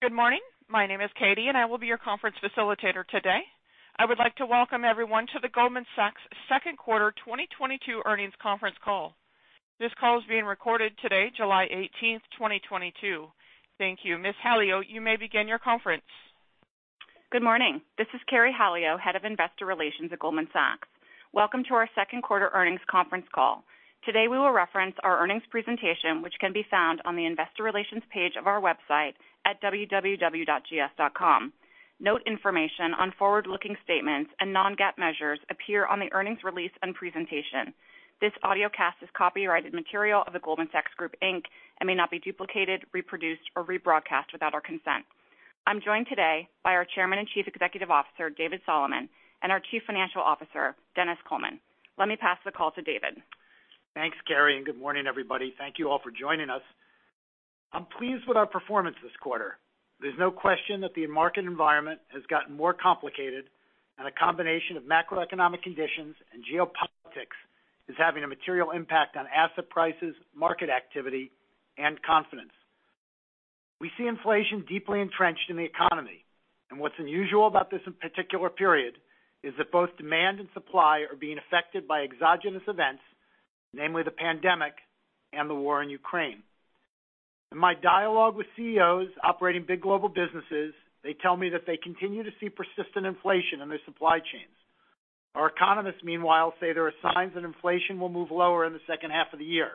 Good morning. My name is Katie, and I will be your conference facilitator today. I would like to welcome everyone to the Goldman Sachs Q2 2022 earnings conference call. This call is being recorded today, July 18th, 2022. Thank you. Ms. Halio, you may begin your conference. Good morning. This is Carey Halio, Head of Investor Relations at Goldman Sachs. Welcome to our Q2 earnings conference call. Today, we will reference our earnings presentation, which can be found on the investor relations page of our website at www.gs.com. Note information on forward-looking statements and non-GAAP measures appear on the earnings release and presentation. This audiocast is copyrighted material of The Goldman Sachs Group, Inc. and may not be duplicated, reproduced, or rebroadcast without our consent. I'm joined today by our Chairman and Chief Executive Officer, David Solomon, and our Chief Financial Officer, Denis Coleman. Let me pass the call to David. Thanks, Carey, and good morning, everybody. Thank you all for joining us. I'm pleased with our performance this quarter. There's no question that the market environment has gotten more complicated and a combination of macroeconomic conditions and geopolitics is having a material impact on asset prices, market activity, and confidence. We see inflation deeply entrenched in the economy, and what's unusual about this particular period is that both demand and supply are being affected by exogenous events, namely the pandemic and the war in Ukraine. In my dialogue with CEOs operating big global businesses, they tell me that they continue to see persistent inflation in their supply chains. Our economists, meanwhile, say there are signs that inflation will move lower in the second half of the year.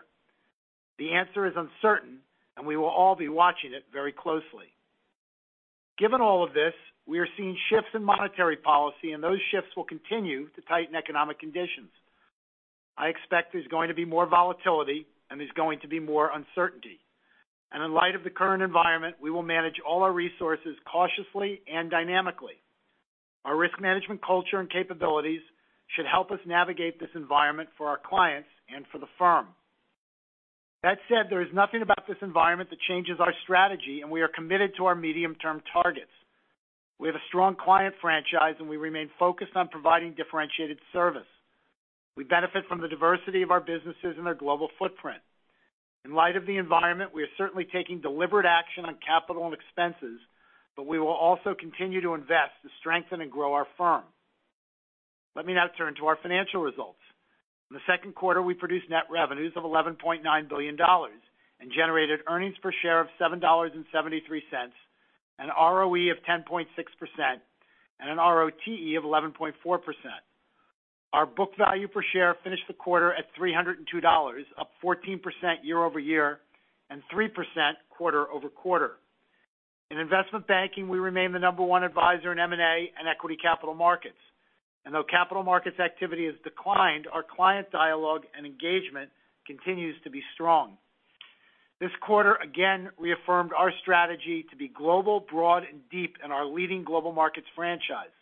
The answer is uncertain, and we will all be watching it very closely. Given all of this, we are seeing shifts in monetary policy, and those shifts will continue to tighten economic conditions. I expect there's going to be more volatility, and there's going to be more uncertainty. In light of the current environment, we will manage all our resources cautiously and dynamically. Our risk management culture and capabilities should help us navigate this environment for our clients and for the firm. That said, there is nothing about this environment that changes our strategy, and we are committed to our medium-term targets. We have a strong client franchise, and we remain focused on providing differentiated service. We benefit from the diversity of our businesses and their global footprint. In light of the environment, we are certainly taking deliberate action on capital and expenses, but we will also continue to invest to strengthen and grow our firm. Let me now turn to our financial results. In the Q2, we produced net revenues of $11.9 billion and generated Earnings Per Share of $7.73, an ROE of 10.6% and an ROTE of 11.4%. Our book value per share finished the quarter at $302, up 14% year-over-year and 3% quarter-over-quarter. In Investment Banking, we remain the number one advisor in M&A and Equity Capital Markets. Though capital markets activity has declined, our client dialogue and engagement continues to be strong. This quarter again reaffirmed our strategy to be global, broad, and deep in our leading global markets franchise.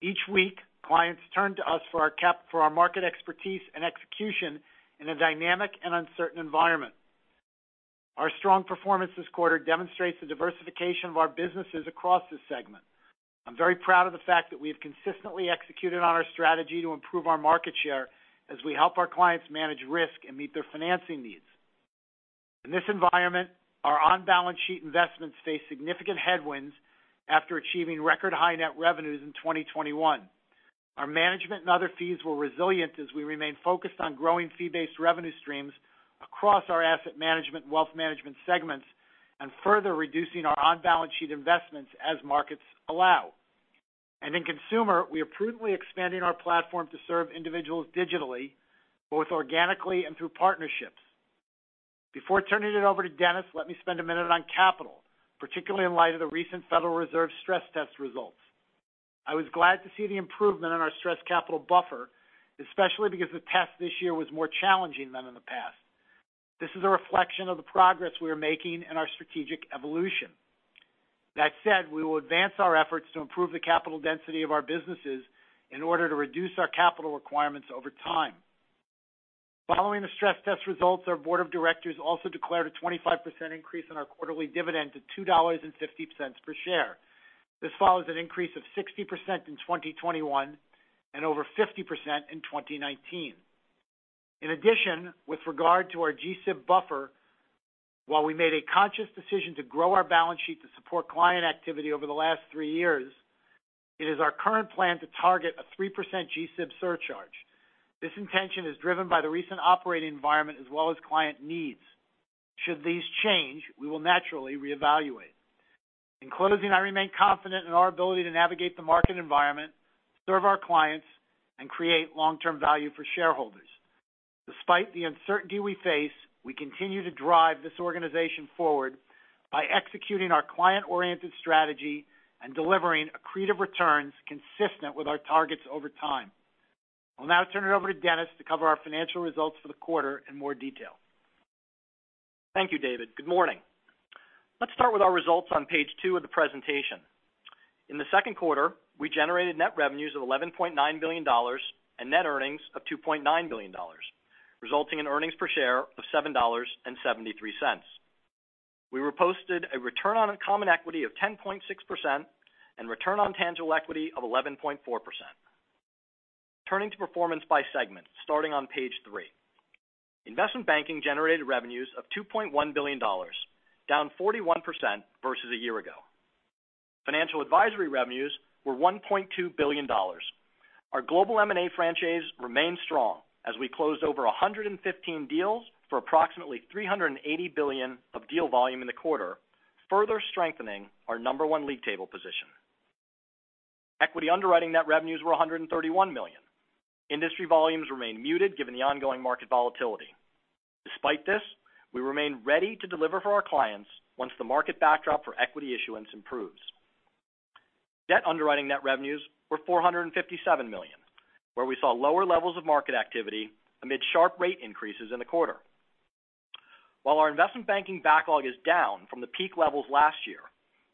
Each week, clients turn to us for our market expertise and execution in a dynamic and uncertain environment. Our strong performance this quarter demonstrates the diversification of our businesses across this segment. I'm very proud of the fact that we have consistently executed on our strategy to improve our market share as we help our clients manage risk and meet their financing needs. In this environment, our on-balance sheet investments face significant headwinds after achieving record high net revenues in 2021. Our management and other fees were resilient as we remain focused on growing fee-based revenue streams across our asset management, wealth management segments, and further reducing our on-balance sheet investments as markets allow. In consumer, we are prudently expanding our platform to serve individuals digitally, both organically and through partnerships. Before turning it over to Denis, let me spend a minute on capital, particularly in light of the recent Federal Reserve Stress Test results. I was glad to see the improvement in our Stress Capital Buffer, especially because the test this year was more challenging than in the past. This is a reflection of the progress we are making in our strategic evolution. That said, we will advance our efforts to improve the capital density of our businesses in order to reduce our capital requirements over time. Following the stress test results, our board of directors also declared a 25% increase in our quarterly dividend to $2.50 per share. This follows an increase of 60% in 2021 and over 50% in 2019. In addition, with regard to our GSIB buffer, while we made a conscious decision to grow our balance sheet to support client activity over the last three years, it is our current plan to target a 3% GSIB surcharge. This intention is driven by the recent operating environment as well as client needs. Should these change, we will naturally reevaluate. In closing, I remain confident in our ability to navigate the market environment, serve our clients, and create long-term value for shareholders. Despite the uncertainty we face, we continue to drive this organization forward by executing our client-oriented strategy and delivering accretive returns consistent with our targets over time. I'll now turn it over to Denis to cover our financial results for the quarter in more detail. Thank you, David. Good morning. Let's start with our results on page two of the presentation. In the second quarter, we generated net revenues of $11.9 billion and net earnings of $2.9 billion, resulting in Earnings Per Share of $7.73. We posted a return on common equity of 10.6% and Return on Tangible Equity of 11.4%. Turning to performance by segment, starting on page three. Investment Banking generated revenues of $2.1 billion, down 41% versus a year ago. Financial advisory revenues were $1.2 billion. Our global M&A franchise remained strong as we closed over 115 deals for approximately $380 billion of deal volume in the quarter, further strengthening our number one league table position. Equity underwriting net revenues were $131 million. Industry volumes remain muted given the ongoing market volatility. Despite this, we remain ready to deliver for our clients once the market backdrop for equity issuance improves. Debt underwriting net revenues were $457 million, where we saw lower levels of market activity amid sharp rate increases in the quarter. While our Investment Banking backlog is down from the peak levels last year,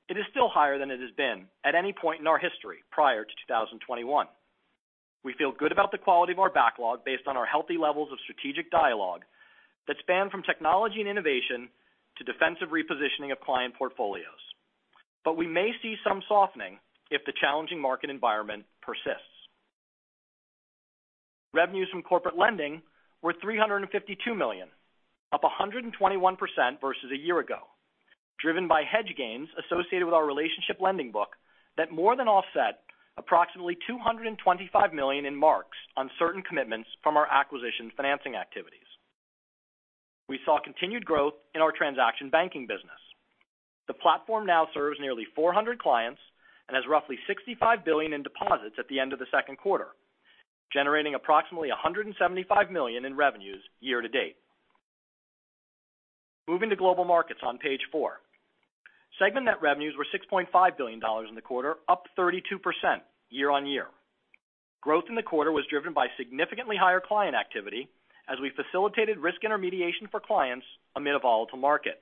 it is still higher than it has been at any point in our history prior to 2021. We feel good about the quality of our backlog based on our healthy levels of strategic dialogue that span from technology and innovation to defensive repositioning of client portfolios. We may see some softening if the challenging market environment persists. Revenues from corporate lending were $352 million, up 121% versus a year ago, driven by hedge gains associated with our relationship lending book that more than offset approximately $225 million in marks on certain commitments from our acquisition financing activities. We saw continued growth in our Transaction Banking business. The platform now serves nearly 400 clients and has roughly $65 billion in deposits at the end of the Q2, generating approximately $175 million in revenues year to date. Moving to global markets on page four. Segment net revenues were $6.5 billion in the quarter, up 32% year-on-year. Growth in the quarter was driven by significantly higher client activity as we facilitated risk intermediation for clients amid a volatile market.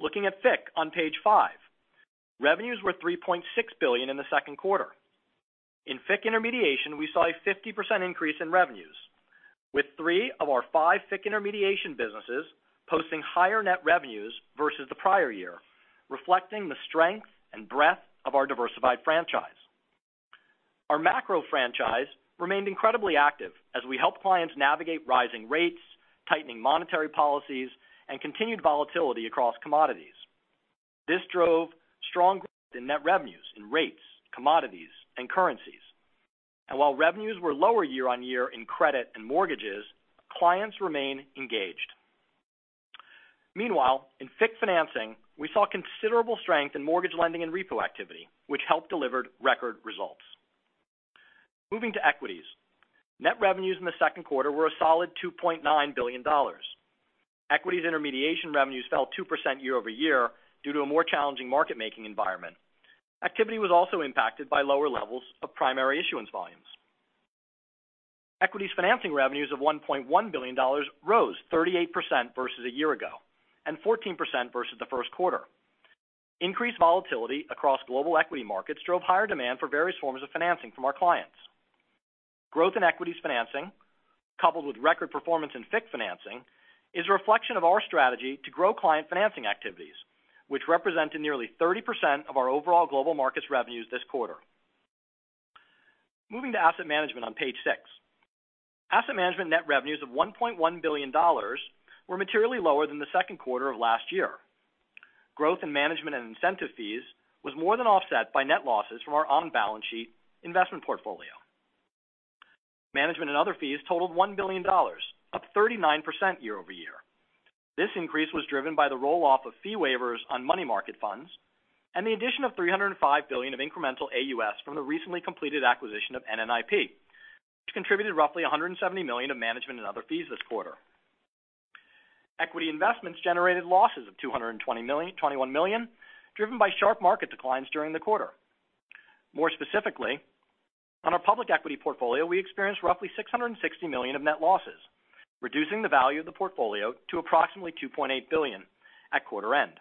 Looking at FICC on page five. Revenues were $3.6 billion in the Q2. In FICC intermediation, we saw a 50% increase in revenues, with three of our five FICC intermediation businesses posting higher net revenues versus the prior year, reflecting the strength and breadth of our diversified franchise. Our macro franchise remained incredibly active as we helped clients navigate rising rates, tightening monetary policies, and continued volatility across commodities. This drove strong growth in net revenues in rates, commodities, and currencies. While revenues were lower year-on-year in credit and mortgages, clients remain engaged. Meanwhile, in fixed financing, we saw considerable strength in mortgage lending and repo activity, which helped deliver record results. Moving to equities. Net revenues in the Q2 were a solid $2.9 billion. Equities intermediation revenues fell 2% year-over-year due to a more challenging market making environment. Activity was also impacted by lower levels of primary issuance volumes. Equities financing revenues of $1.1 billion rose 38% versus a year ago and 14% versus the Q1. Increased volatility across global equity markets drove higher demand for various forms of financing from our clients. Growth in equities financing, coupled with record performance in fixed financing, is a reflection of our strategy to grow client financing activities, which represented nearly 30% of our overall global markets revenues this quarter. Moving to asset management on page six. Asset management net revenues of $1.1 billion were materially lower than the Q2 of last year. Growth in management and incentive fees was more than offset by net losses from our on-balance sheet investment portfolio. Management and other fees totaled $1 billion, up 39% year-over-year. This increase was driven by the roll-off of fee waivers on money market funds and the addition of $305 billion of incremental AUS from the recently completed acquisition of NNIP, which contributed roughly $170 million of management and other fees this quarter. Equity investments generated losses of $221 million, driven by sharp market declines during the quarter. More specifically, on our public equity portfolio, we experienced roughly $660 million of net losses, reducing the value of the portfolio to approximately $2.8 billion at quarter end.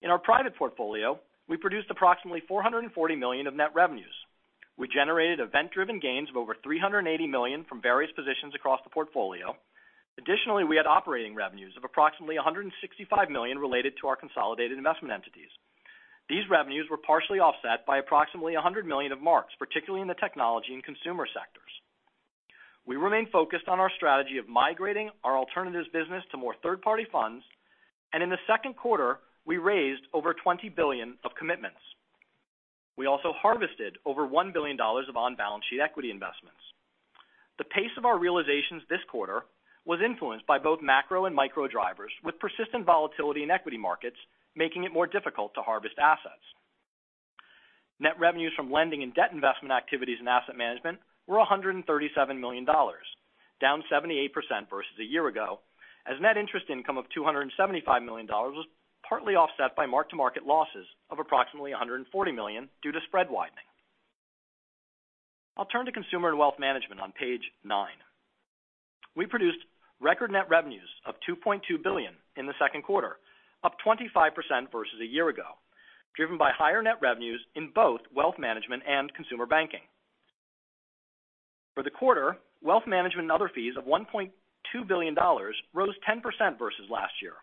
In our private portfolio, we produced approximately $440 million of net revenues. We generated event-driven gains of over $380 million from various positions across the portfolio. Additionally, we had operating revenues of approximately $165 million related to our consolidated investment entities. These revenues were partially offset by approximately $100 million of marks, particularly in the technology and consumer sectors. We remain focused on our strategy of migrating our alternatives business to more third-party funds, and in the Q2, we raised over $20 billion of commitments. We also harvested over $1 billion of on-balance sheet equity investments. The pace of our realizations this quarter was influenced by both macro and micro drivers, with persistent volatility in equity markets making it more difficult to harvest assets. Net revenues from lending and debt investment activities in asset management were $137 million, down 78% versus a year ago, as net interest income of $275 million was partly offset by mark-to-market losses of approximately $140 million due to spread widening. I'll turn to consumer and wealth management on page nine. We produced record net revenues of $2.2 billion in the Q2, up 25% versus a year ago, driven by higher net revenues in both wealth management and Consumer Banking. For the quarter, wealth management and other fees of $1.2 billion rose 10% versus last year.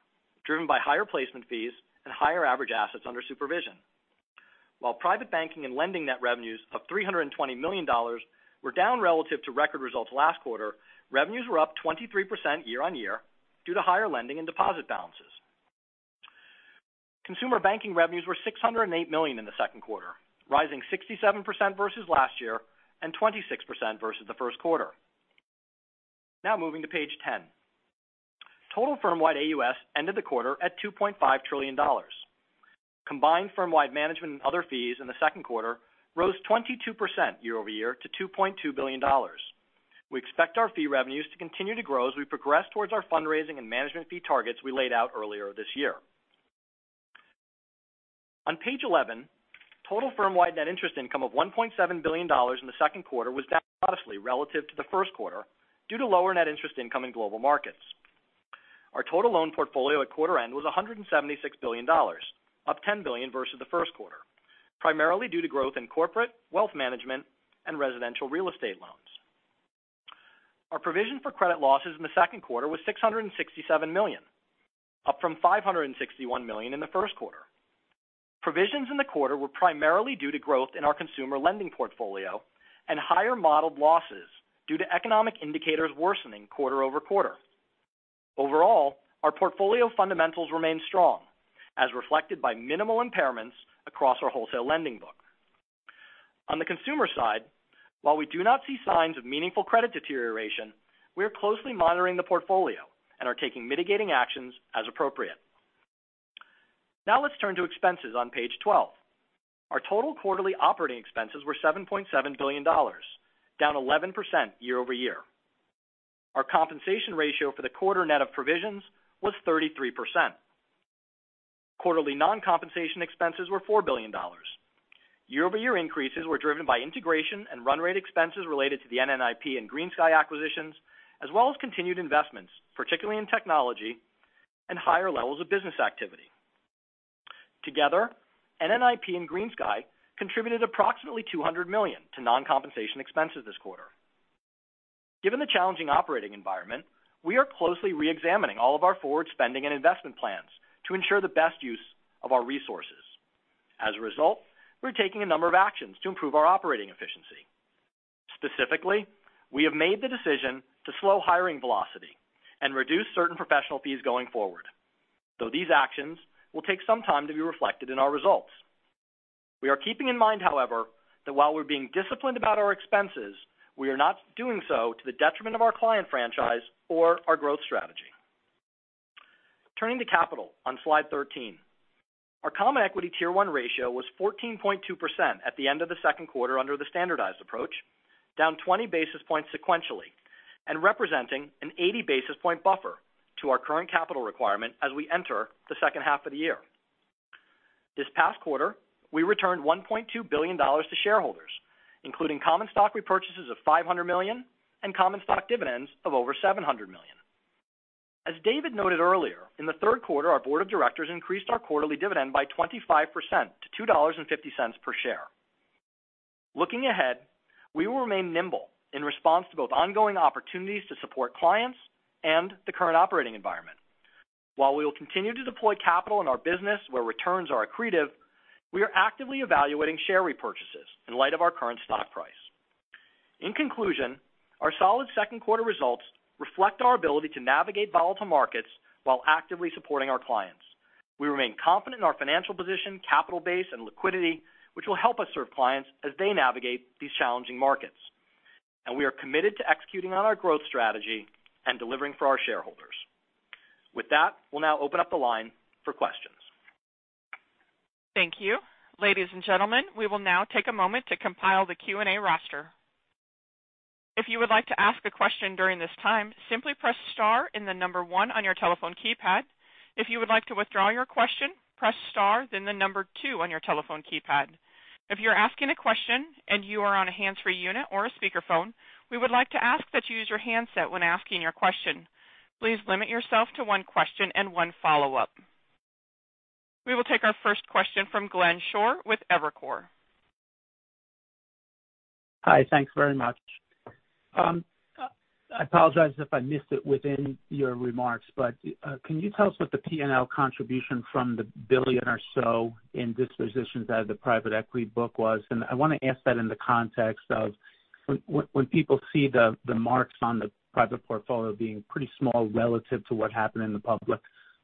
Driven by higher placement fees and higher average Assets Under Supervision. While private banking and lending net revenues of $320 million were down relative to record results last quarter, revenues were up 23% year-on-year due to higher lending and deposit balances. Consumer Banking revenues were $608 million in the Q2, rising 67% versus last year and 26% versus the Q1. Now moving to page ten. Total firm-wide AUS ended the quarter at $2.5 trillion. Combined firm-wide management and other fees in the Q2 rose 22% year-over-year to $2.2 billion. We expect our fee revenues to continue to grow as we progress towards our fundraising and management fee targets we laid out earlier this year. On page 11, total firm-wide net interest income of $1.7 billion in the Q2 was down modestly relative to the Q1 due to lower net interest income in global markets. Our total loan portfolio at quarter end was $176 billion, up $10 billion versus the Q1, primarily due to growth in corporate, wealth management, and residential real estate loans. Our provision for credit losses in the Q2 was $667 million, up from $561 million in the Q1. Provisions in the quarter were primarily due to growth in our consumer lending portfolio and higher modeled losses due to economic indicators worsening quarter-over-quarter. Overall, our portfolio fundamentals remain strong, as reflected by minimal impairments across our wholesale lending book. On the consumer side, while we do not see signs of meaningful credit deterioration, we are closely monitoring the portfolio and are taking mitigating actions as appropriate. Now let's turn to expenses on page 12. Our total quarterly operating expenses were $7.7 billion, down 11% year-over-year. Our compensation ratio for the quarter net of provisions was 33%. Quarterly non-compensation expenses were $4 billion. Year-over-year increases were driven by integration and run rate expenses related to the NNIP and GreenSky acquisitions, as well as continued investments, particularly in technology and higher levels of business activity. Together, NNIP and GreenSky contributed approximately $200 million to non-compensation expenses this quarter. Given the challenging operating environment, we are closely re-examining all of our forward spending and investment plans to ensure the best use of our resources. As a result, we're taking a number of actions to improve our operating efficiency. Specifically, we have made the decision to slow hiring velocity and reduce certain professional fees going forward. Though these actions will take some time to be reflected in our results. We are keeping in mind, however, that while we're being disciplined about our expenses, we are not doing so to the detriment of our client franchise or our growth strategy. Turning to capital on slide 13. Our Common Equity Tier 1 ratio was 14.2% at the end of the Q2 under the standardized approach, down 20 basis points sequentially and representing an 80 basis point buffer to our current capital requirement as we enter the second half of the year. This past quarter, we returned $1.2 billion to shareholders, including common stock repurchases of $500 million and common stock dividends of over $700 million. As David noted earlier, in the Q3, our board of directors increased our quarterly dividend by 25% to $2.50 per share. Looking ahead, we will remain nimble in response to both ongoing opportunities to support clients and the current operating environment. While we will continue to deploy capital in our business where returns are accretive, we are actively evaluating share repurchases in light of our current stock price. In conclusion, our solid Q2 results reflect our ability to navigate volatile markets while actively supporting our clients. We remain confident in our financial position, capital base and liquidity, which will help us serve clients as they navigate these challenging markets. We are committed to executing on our growth strategy and delivering for our shareholders. With that, we'll now open up the line for questions. Thank you. Ladies and gentlemen, we will now take a moment to compile the Q&A roster. If you would like to ask a question during this time, simply press star and the number one on your telephone keypad. If you would like to withdraw your question, press star, then the number two on your telephone keypad. If you're asking a question and you are on a hands-free unit or a speakerphone, we would like to ask that you use your handset when asking your question. Please limit yourself to one question and one follow-up. We will take our first question from Glenn Schorr with Evercore. Hi. Thanks very much. I apologize if I missed it within your remarks, but can you tell us what the P&L contribution from the $1 billion or so in dispositions out of the private equity book was? I want to ask that in the context of when people see the marks on the private portfolio being pretty small relative to what happened in the public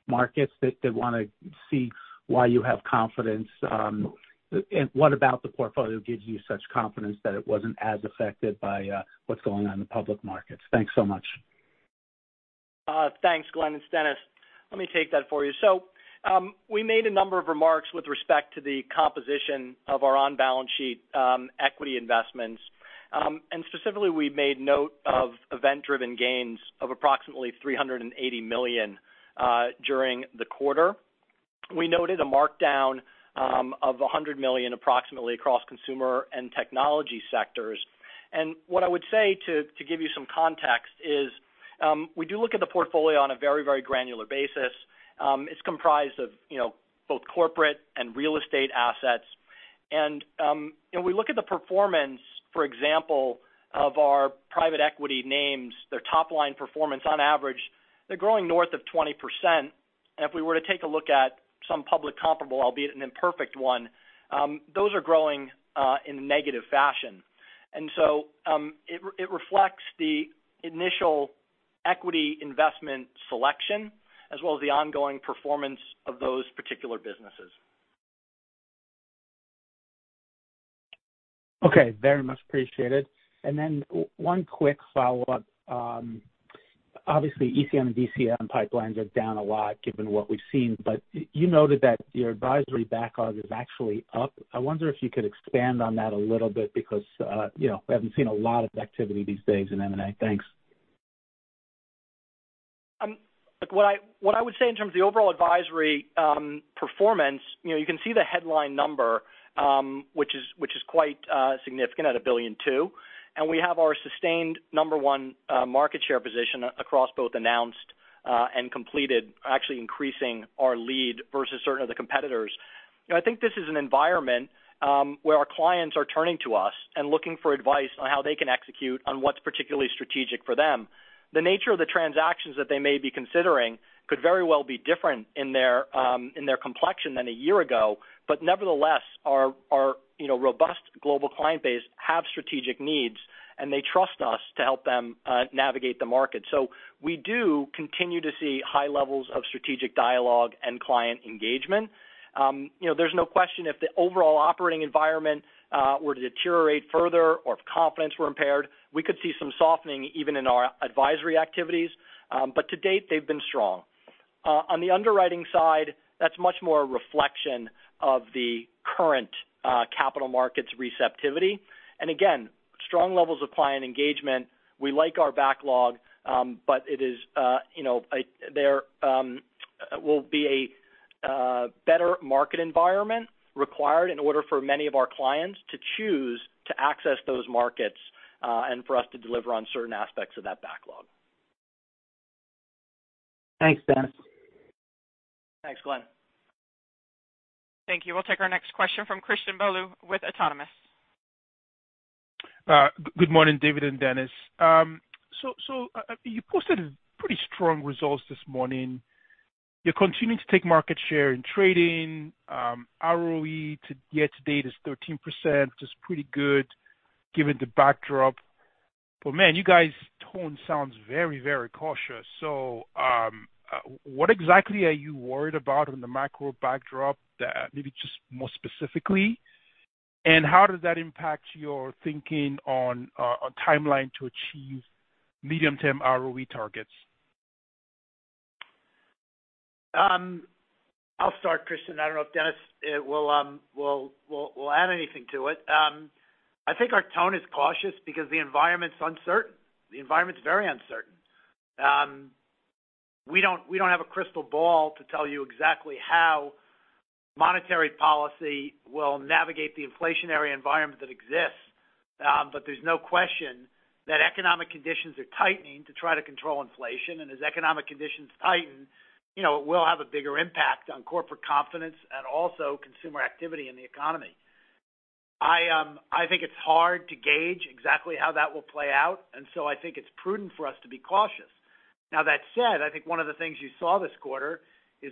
markets, that they wanna see why you have confidence, and what about the portfolio gives you such confidence that it wasn't as affected by what's going on in the public markets? Thanks so much. Thanks, Glenn. It's Denis. Let me take that for you. We made a number of remarks with respect to the composition of our on-balance sheet equity investments. Specifically, we made note of event-driven gains of approximately $380 million during the quarter. We noted a markdown of approximately $100 million across consumer and technology sectors. What I would say to give you some context is, we do look at the portfolio on a very, very granular basis. It's comprised of, you know, both corporate and real estate assets. If we look at the performance, for example, of our private equity names, their top-line performance on average, they're growing north of 20%. If we were to take a look at some public comparable, albeit an imperfect one, those are growing in a negative fashion. It reflects the initial equity investment selection as well as the ongoing performance of those particular businesses. Okay. Very much appreciated. One quick follow-up. Obviously, ECM and DCM pipelines are down a lot given what we've seen, but you noted that your advisory backlog is actually up. I wonder if you could expand on that a little bit because, you know, we haven't seen a lot of activity these days in M&A. Thanks. Look, what I would say in terms of the overall advisory performance, you know, you can see the headline number, which is quite significant at $1.2 billion. We have our sustained number one market share position across both announced and completed, actually increasing our lead versus certain other competitors. You know, I think this is an environment where our clients are turning to us and looking for advice on how they can execute on what's particularly strategic for them. The nature of the transactions that they may be considering could very well be different in their complexion than a year ago. Nevertheless, our robust global client base have strategic needs, and they trust us to help them navigate the market. We do continue to see high levels of strategic dialogue and client engagement. You know, there's no question if the overall operating environment were to deteriorate further or if confidence were impaired, we could see some softening even in our advisory activities. To date, they've been strong. On the underwriting side, that's much more a reflection of the current capital markets receptivity. Again, strong levels of client engagement. We like our backlog, but it is, you know, there will be a better market environment required in order for many of our clients to choose to access those markets, and for us to deliver on certain aspects of that backlog. Thanks, Denis. Thanks, Glenn. Thank you. We'll take our next question from Christian Bolu with Autonomous. Good morning, David and Denis. So, you posted pretty strong results this morning. You're continuing to take market share in trading. ROE to year-to-date is 13%. That's pretty good given the backdrop. Man, you guys' tone sounds very, very cautious. What exactly are you worried about in the macro backdrop that maybe just more specifically, and how does that impact your thinking on a timeline to achieve medium-term ROE targets? I'll start, Christian. I don't know if Denis will add anything to it. I think our tone is cautious because the environment's uncertain. The environment's very uncertain. We don't have a crystal ball to tell you exactly how monetary policy will navigate the inflationary environment that exists. There's no question that economic conditions are tightening to try to control inflation. As economic conditions tighten, you know, it will have a bigger impact on corporate confidence and also consumer activity in the economy. I think it's hard to gauge exactly how that will play out, and so I think it's prudent for us to be cautious. Now, that said, I think one of the things you saw this quarter is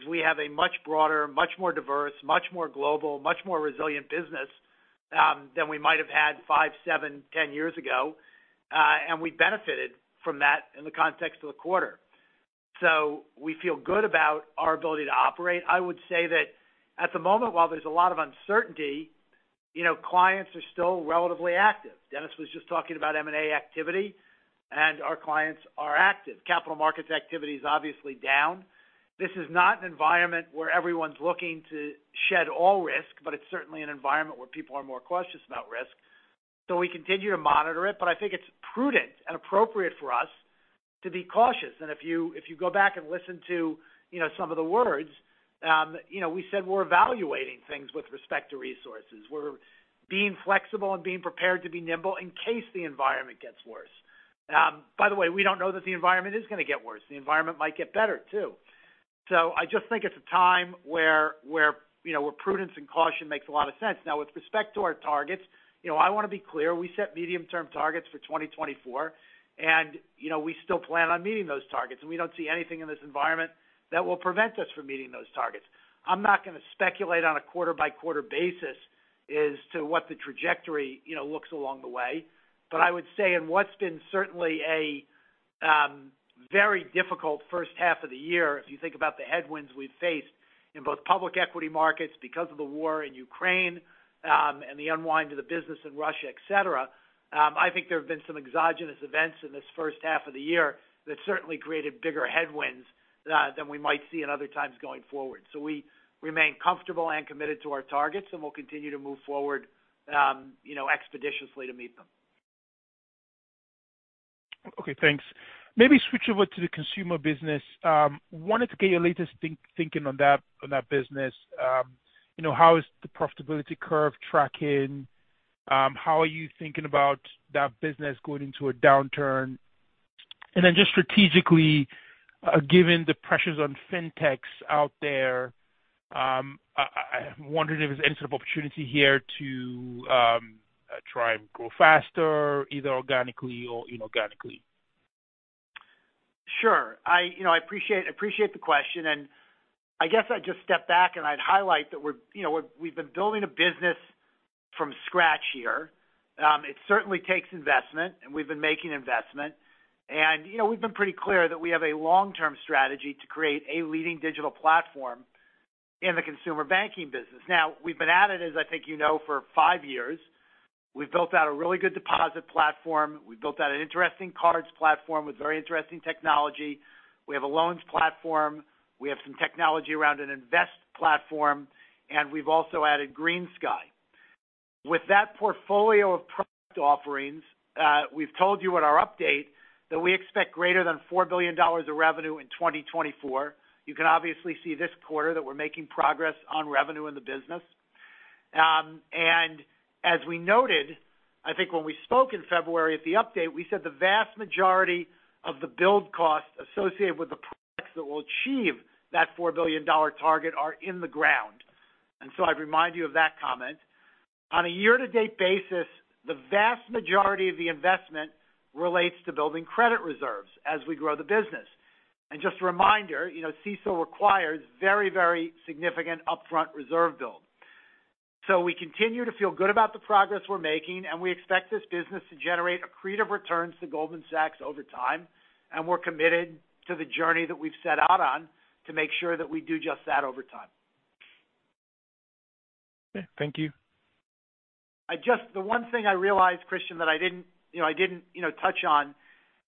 we have a much broader, much more diverse, much more global, much more resilient business, than we might have had five, seven, 10 years ago, and we benefited from that in the context of the quarter. We feel good about our ability to operate. I would say that at the moment, while there's a lot of uncertainty, you know, clients are still relatively active. Denis was just talking about M&A activity, and our clients are active. Capital markets activity is obviously down. This is not an environment where everyone's looking to shed all risk, but it's certainly an environment where people are more cautious about risk. We continue to monitor it, but I think it's prudent and appropriate for us to be cautious. If you go back and listen to, you know, some of the words, you know, we said we're evaluating things with respect to resources. We're being flexible and being prepared to be nimble in case the environment gets worse. By the way, we don't know that the environment is gonna get worse. The environment might get better, too. I just think it's a time where, you know, where prudence and caution makes a lot of sense. Now, with respect to our targets, you know, I want to be clear, we set medium-term targets for 2024. You know, we still plan on meeting those targets, and we don't see anything in this environment that will prevent us from meeting those targets. I'm not gonna speculate on a quarter-by-quarter basis as to what the trajectory, you know, looks along the way. I would say in what's been certainly a very difficult first half of the year, if you think about the headwinds we've faced in both public equity markets because of the war in Ukraine, and the unwind of the business in Russia, et cetera, I think there have been some exogenous events in this first half of the year that certainly created bigger headwinds than we might see in other times going forward. We remain comfortable and committed to our targets, and we'll continue to move forward, you know, expeditiously to meet them. Okay, thanks. Maybe switch over to the consumer business. Wanted to get your latest thinking on that, on that business. You know, how is the profitability curve tracking? How are you thinking about that business going into a downturn? Just strategically, given the pressures on fintechs out there, I wondered if there's any sort of opportunity here to try and grow faster, either organically or inorganically. Sure. I appreciate the question, and I guess I'd just step back and I'd highlight that we're, you know, we've been building a business from scratch here. It certainly takes investment, and we've been making investment. You know, we've been pretty clear that we have a long-term strategy to create a leading digital platform in the Consumer Banking business. Now, we've been at it, as I think you know, for five years. We've built out a really good deposit platform. We've built out an interesting cards platform with very interesting technology. We have a loans platform. We have some technology around an invest platform, and we've also added GreenSky. With that portfolio of product offerings, we've told you in our update that we expect greater than $4 billion of revenue in 2024. You can obviously see this quarter that we're making progress on revenue in the business. We noted, I think when we spoke in February at the update, we said the vast majority of the build cost associated with the products that will achieve that $4 billion target are in the ground. I remind you of that comment. On a year-to-date basis, the vast majority of the investment relates to building credit reserves as we grow the business. Just a reminder, you know, CECL requires very, very significant upfront reserve build. We continue to feel good about the progress we're making, and we expect this business to generate accretive returns to Goldman Sachs over time, and we're committed to the journey that we've set out on to make sure that we do just that over time. Okay. Thank you. The one thing I realized, Christian, that I didn't, you know, touch on,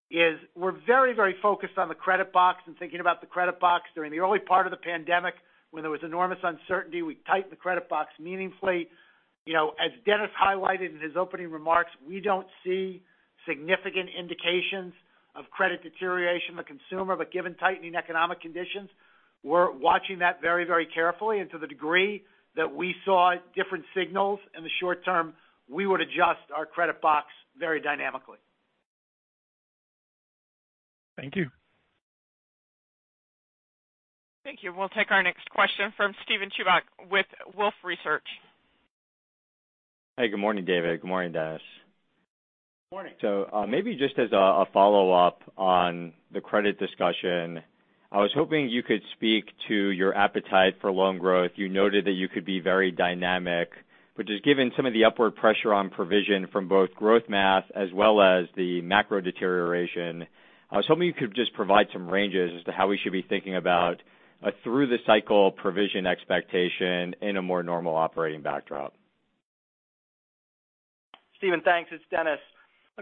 is we're very, very focused on the credit box and thinking about the credit box. During the early part of the pandemic when there was enormous uncertainty, we tightened the credit box meaningfully. You know, as Denis highlighted in his opening remarks, we don't see significant indications of credit deterioration in the consumer. But given tightening economic conditions, we're watching that very, very carefully. To the degree that we saw different signals in the short term, we would adjust our credit box very dynamically. Thank you. Thank you. We'll take our next question from Steven Chubak with Wolfe Research. Hey, good morning, David. Good morning, Dennis. Good morning. Maybe just as a follow-up on the credit discussion, I was hoping you could speak to your appetite for loan growth. You noted that you could be very dynamic. Just given some of the upward pressure on provision from both growth math as well as the macro deterioration, I was hoping you could just provide some ranges as to how we should be thinking about through the cycle provision expectation in a more normal operating backdrop. Steven, thanks. It's Denis.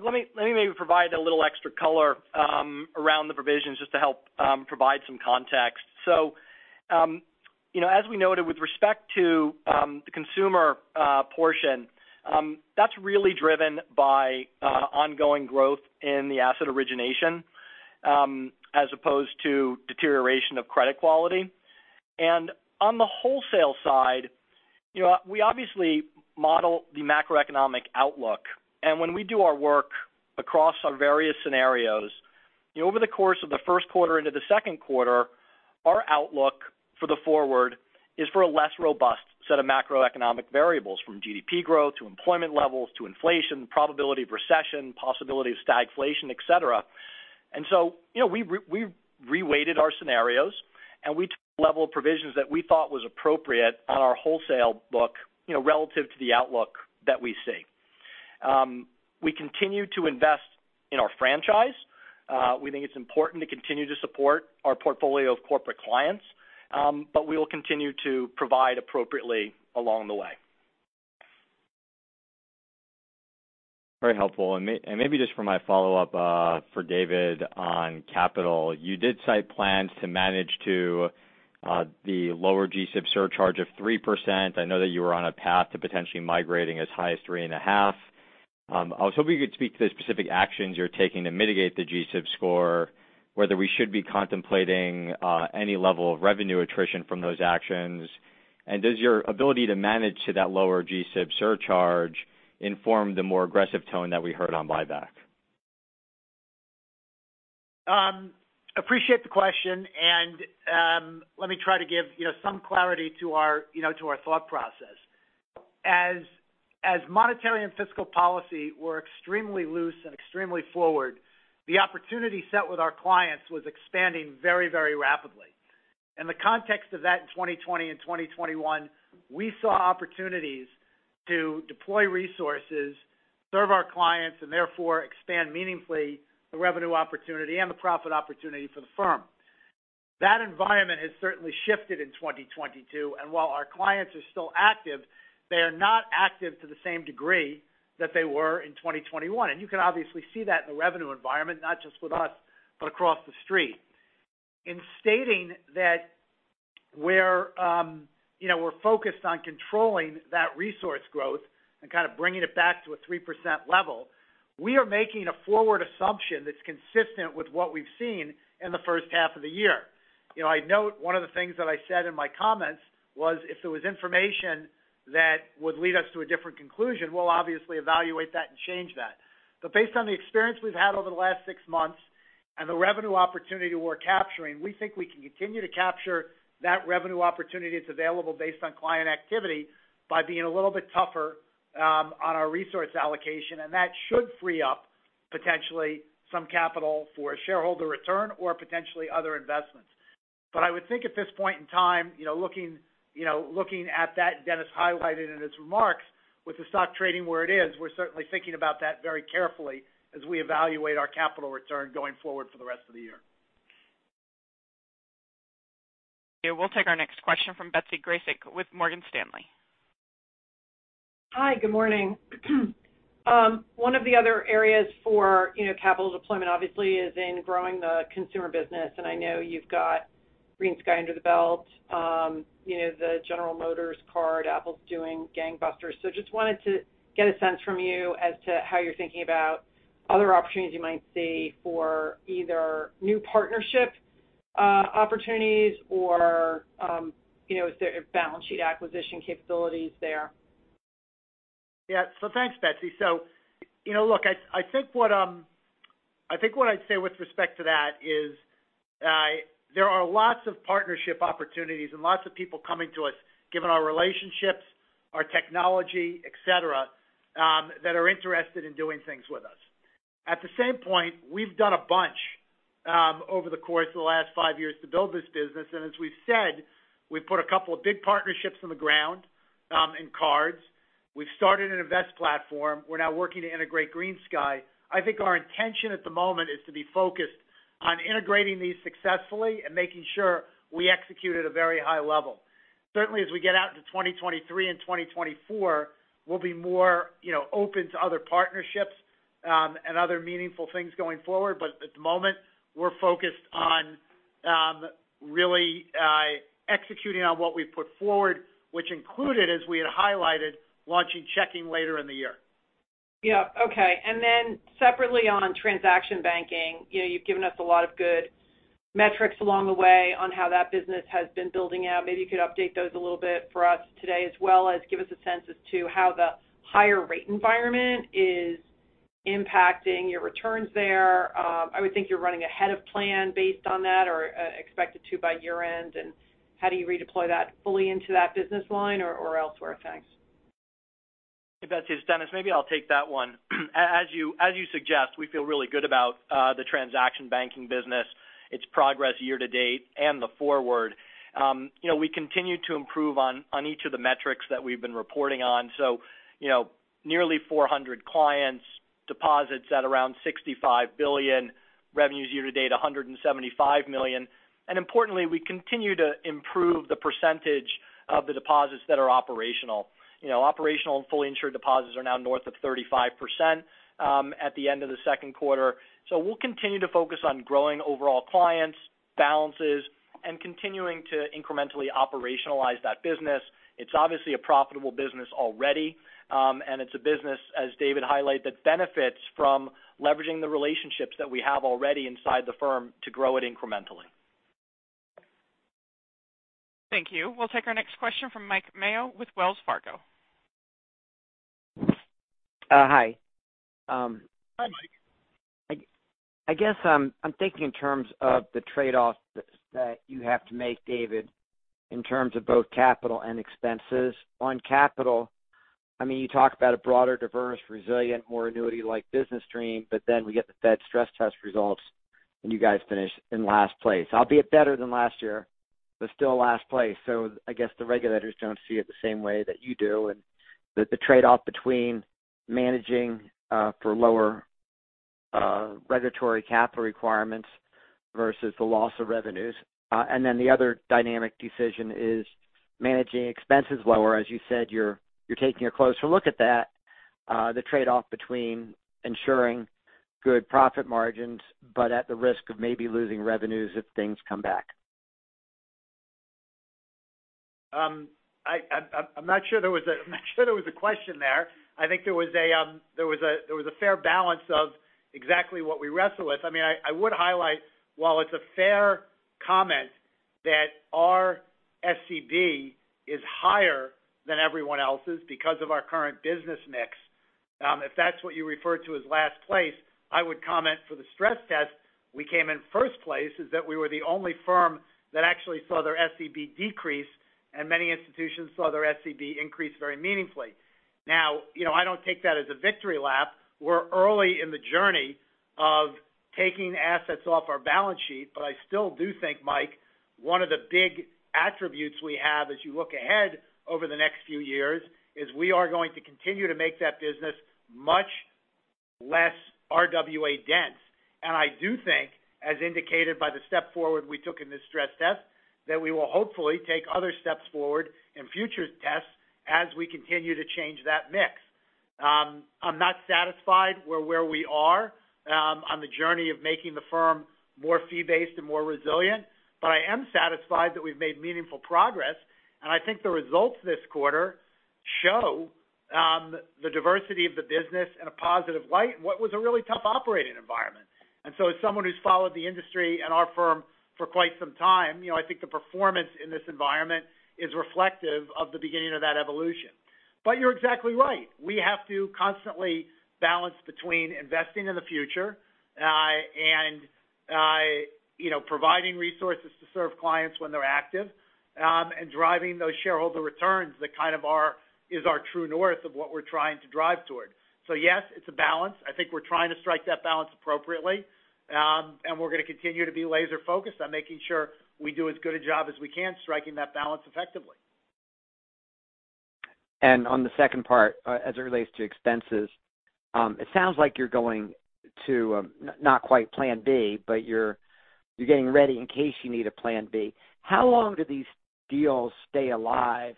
Let me maybe provide a little extra color around the provisions just to help provide some context. You know, as we noted with respect to the consumer portion, that's really driven by ongoing growth in the asset origination as opposed to deterioration of credit quality. On the wholesale side, you know, we obviously model the macroeconomic outlook. When we do our work across our various scenarios, you know, over the course of the Q1 into the Q2, our outlook for the forward is for a less robust set of macroeconomic variables, from GDP growth to employment levels to inflation, probability of recession, possibility of stagflation, et cetera. you know, we re-weighted our scenarios, and we took a level of provisions that we thought was appropriate on our wholesale book, you know, relative to the outlook that we see. We continue to invest in our franchise. We think it's important to continue to support our portfolio of corporate clients, but we will continue to provide appropriately along the way. Very helpful. Maybe just for my follow-up, for David on capital. You did cite plans to manage to the lower G-SIB surcharge of 3%. I know that you are on a path to potentially migrating as high as 3.5. I was hoping you could speak to the specific actions you're taking to mitigate the G-SIB score, whether we should be contemplating any level of revenue attrition from those actions. Does your ability to manage to that lower G-SIB surcharge inform the more aggressive tone that we heard on buyback? Appreciate the question. Let me try to give, you know, some clarity to our, you know, to our thought process. As monetary and fiscal policy were extremely loose and extremely forward, the opportunity set with our clients was expanding very, very rapidly. In the context of that in 2020 and 2021, we saw opportunities to deploy resources, serve our clients, and therefore expand meaningfully the revenue opportunity and the profit opportunity for the firm. That environment has certainly shifted in 2022, and while our clients are still active, they are not active to the same degree that they were in 2021. You can obviously see that in the revenue environment, not just with us, but across the street. In stating that we're, you know, we're focused on controlling that resource growth and kind of bringing it back to a 3% level, we are making a forward assumption that's consistent with what we've seen in the first half of the year. You know, I'd note one of the things that I said in my comments was if there was information that would lead us to a different conclusion, we'll obviously evaluate that and change that. Based on the experience we've had over the last six months and the revenue opportunity we're capturing, we think we can continue to capture that revenue opportunity that's available based on client activity by being a little bit tougher on our resource allocation, and that should free up potentially some capital for shareholder return or potentially other investments. I would think at this point in time, you know, looking at that Dennis highlighted in his remarks with the stock trading where it is, we're certainly thinking about that very carefully as we evaluate our capital return going forward for the rest of the year. We'll take our next question from Betsy Graseck with Morgan Stanley. Hi, good morning. One of the other areas for, you know, capital deployment obviously is in growing the consumer business. I know you've got GreenSky under the belt, you know, the General Motors card, Apple's doing gangbusters. Just wanted to get a sense from you as to how you're thinking about other opportunities you might see for either new partnership opportunities or, you know, is there balance sheet acquisition capabilities there? Yeah. Thanks, Betsy. You know, look, I think what I'd say with respect to that is, there are lots of partnership opportunities and lots of people coming to us, given our relationships, our technology, et cetera, that are interested in doing things with us. At the same point, we've done a bunch over the course of the last five years to build this business. As we've said, we've put a couple of big partnerships in the ground in cards. We've started an invest platform. We're now working to integrate GreenSky. I think our intention at the moment is to be focused on integrating these successfully and making sure we execute at a very high level. Certainly, as we get out into 2023 and 2024, we'll be more, you know, open to other partnerships, and other meaningful things going forward. At the moment, we're focused on, really, executing on what we've put forward, which included, as we had highlighted, launching checking later in the year. Yeah. Okay. Then separately on Transaction Banking, you know, you've given us a lot of good metrics along the way on how that business has been building out. Maybe you could update those a little bit for us today, as well as give us a sense as to how the higher rate environment is impacting your returns there. I would think you're running ahead of plan based on that or expected to by year-end. How do you redeploy that fully into that business line or elsewhere? Thanks. Betsy, it's Dennis. Maybe I'll take that one. As you suggest, we feel really good about the Transaction Banking business, its progress year to date and going forward. You know, we continue to improve on each of the metrics that we've been reporting on. You know, nearly 400 clients, deposits at around $65 billion, revenues year to date $175 million. Importantly, we continue to improve the percentage of the deposits that are operational. You know, operational and fully insured deposits are now north of 35%, at the end of the Q2. We'll continue to focus on growing overall clients, balances, and continuing to incrementally operationalize that business. It's obviously a profitable business already. It's a business, as David highlighted, that benefits from leveraging the relationships that we have already inside the firm to grow it incrementally. Thank you. We'll take our next question from Mike Mayo with Wells Fargo. Hi. Hi, Mike. I guess I'm thinking in terms of the trade-offs that you have to make, David, in terms of both capital and expenses. On capital, I mean, you talk about a broader, diverse, resilient, more annuity-like business stream, but then we get the Fed stress test results, and you guys finish in last place. Albeit better than last year, but still last place. I guess the regulators don't see it the same way that you do, and the trade-off between managing for lower regulatory capital requirements versus the loss of revenues. And then the other dynamic decision is managing expenses lower. As you said, you're taking a closer look at that, the trade-off between ensuring good profit margins, but at the risk of maybe losing revenues if things come back. I'm not sure there was a question there. I think there was a fair balance of exactly what we wrestle with. I mean, I would highlight, while it's a fair comment that our SCB is higher than everyone else's because of our current business mix, if that's what you refer to as last place, I would comment for the stress test, we came in first place, in that we were the only firm that actually saw their SCB decrease, and many institutions saw their SCB increase very meaningfully. Now, you know, I don't take that as a victory lap. We're early in the journey of taking assets off our balance sheet, but I still do think, Mike, one of the big attributes we have as you look ahead over the next few years is we are going to continue to make that business much less RWA dense. I do think, as indicated by the step forward we took in this stress test, that we will hopefully take other steps forward in future tests as we continue to change that mix. I'm not satisfied where we are on the journey of making the firm more fee-based and more resilient, but I am satisfied that we've made meaningful progress. I think the results this quarter show the diversity of the business in a positive light in what was a really tough operating environment. As someone who's followed the industry and our firm for quite some time, you know, I think the performance in this environment is reflective of the beginning of that evolution. You're exactly right. We have to constantly balance between investing in the future and you know, providing resources to serve clients when they're active and driving those shareholder returns that kind of is our true north of what we're trying to drive toward. Yes, it's a balance. I think we're trying to strike that balance appropriately and we're gonna continue to be laser-focused on making sure we do as good a job as we can striking that balance effectively. On the second part, as it relates to expenses, it sounds like you're going to not quite plan B, but you're getting ready in case you need a plan B. How long do these deals stay alive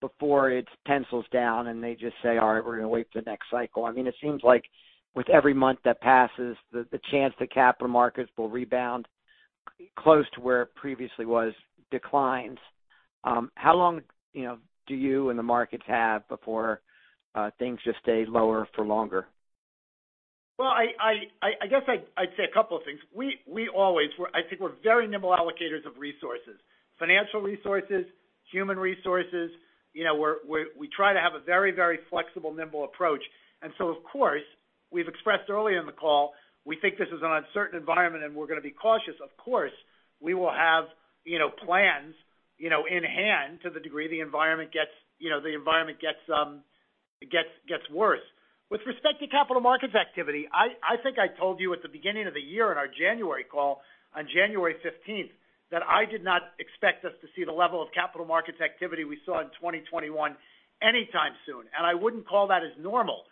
before it pencils down and they just say, "All right, we're gonna wait for the next cycle"? I mean, it seems like with every month that passes, the chance that capital markets will rebound close to where it previously was declines. How long, you know, do you and the markets have before things just stay lower for longer? Well, I guess I'd say a couple of things. We always. I think we're very nimble allocators of resources, financial resources, human resources. You know, we try to have a very flexible, nimble approach. Of course, we've expressed earlier in the call, we think this is an uncertain environment and we're gonna be cautious. Of course, we will have, you know, plans, you know, in hand to the degree the environment gets, you know, the environment gets worse. With respect to capital markets activity, I think I told you at the beginning of the year in our January call on January 15th, that I did not expect us to see the level of capital markets activity we saw in 2021 anytime soon, and I wouldn't call that as normal.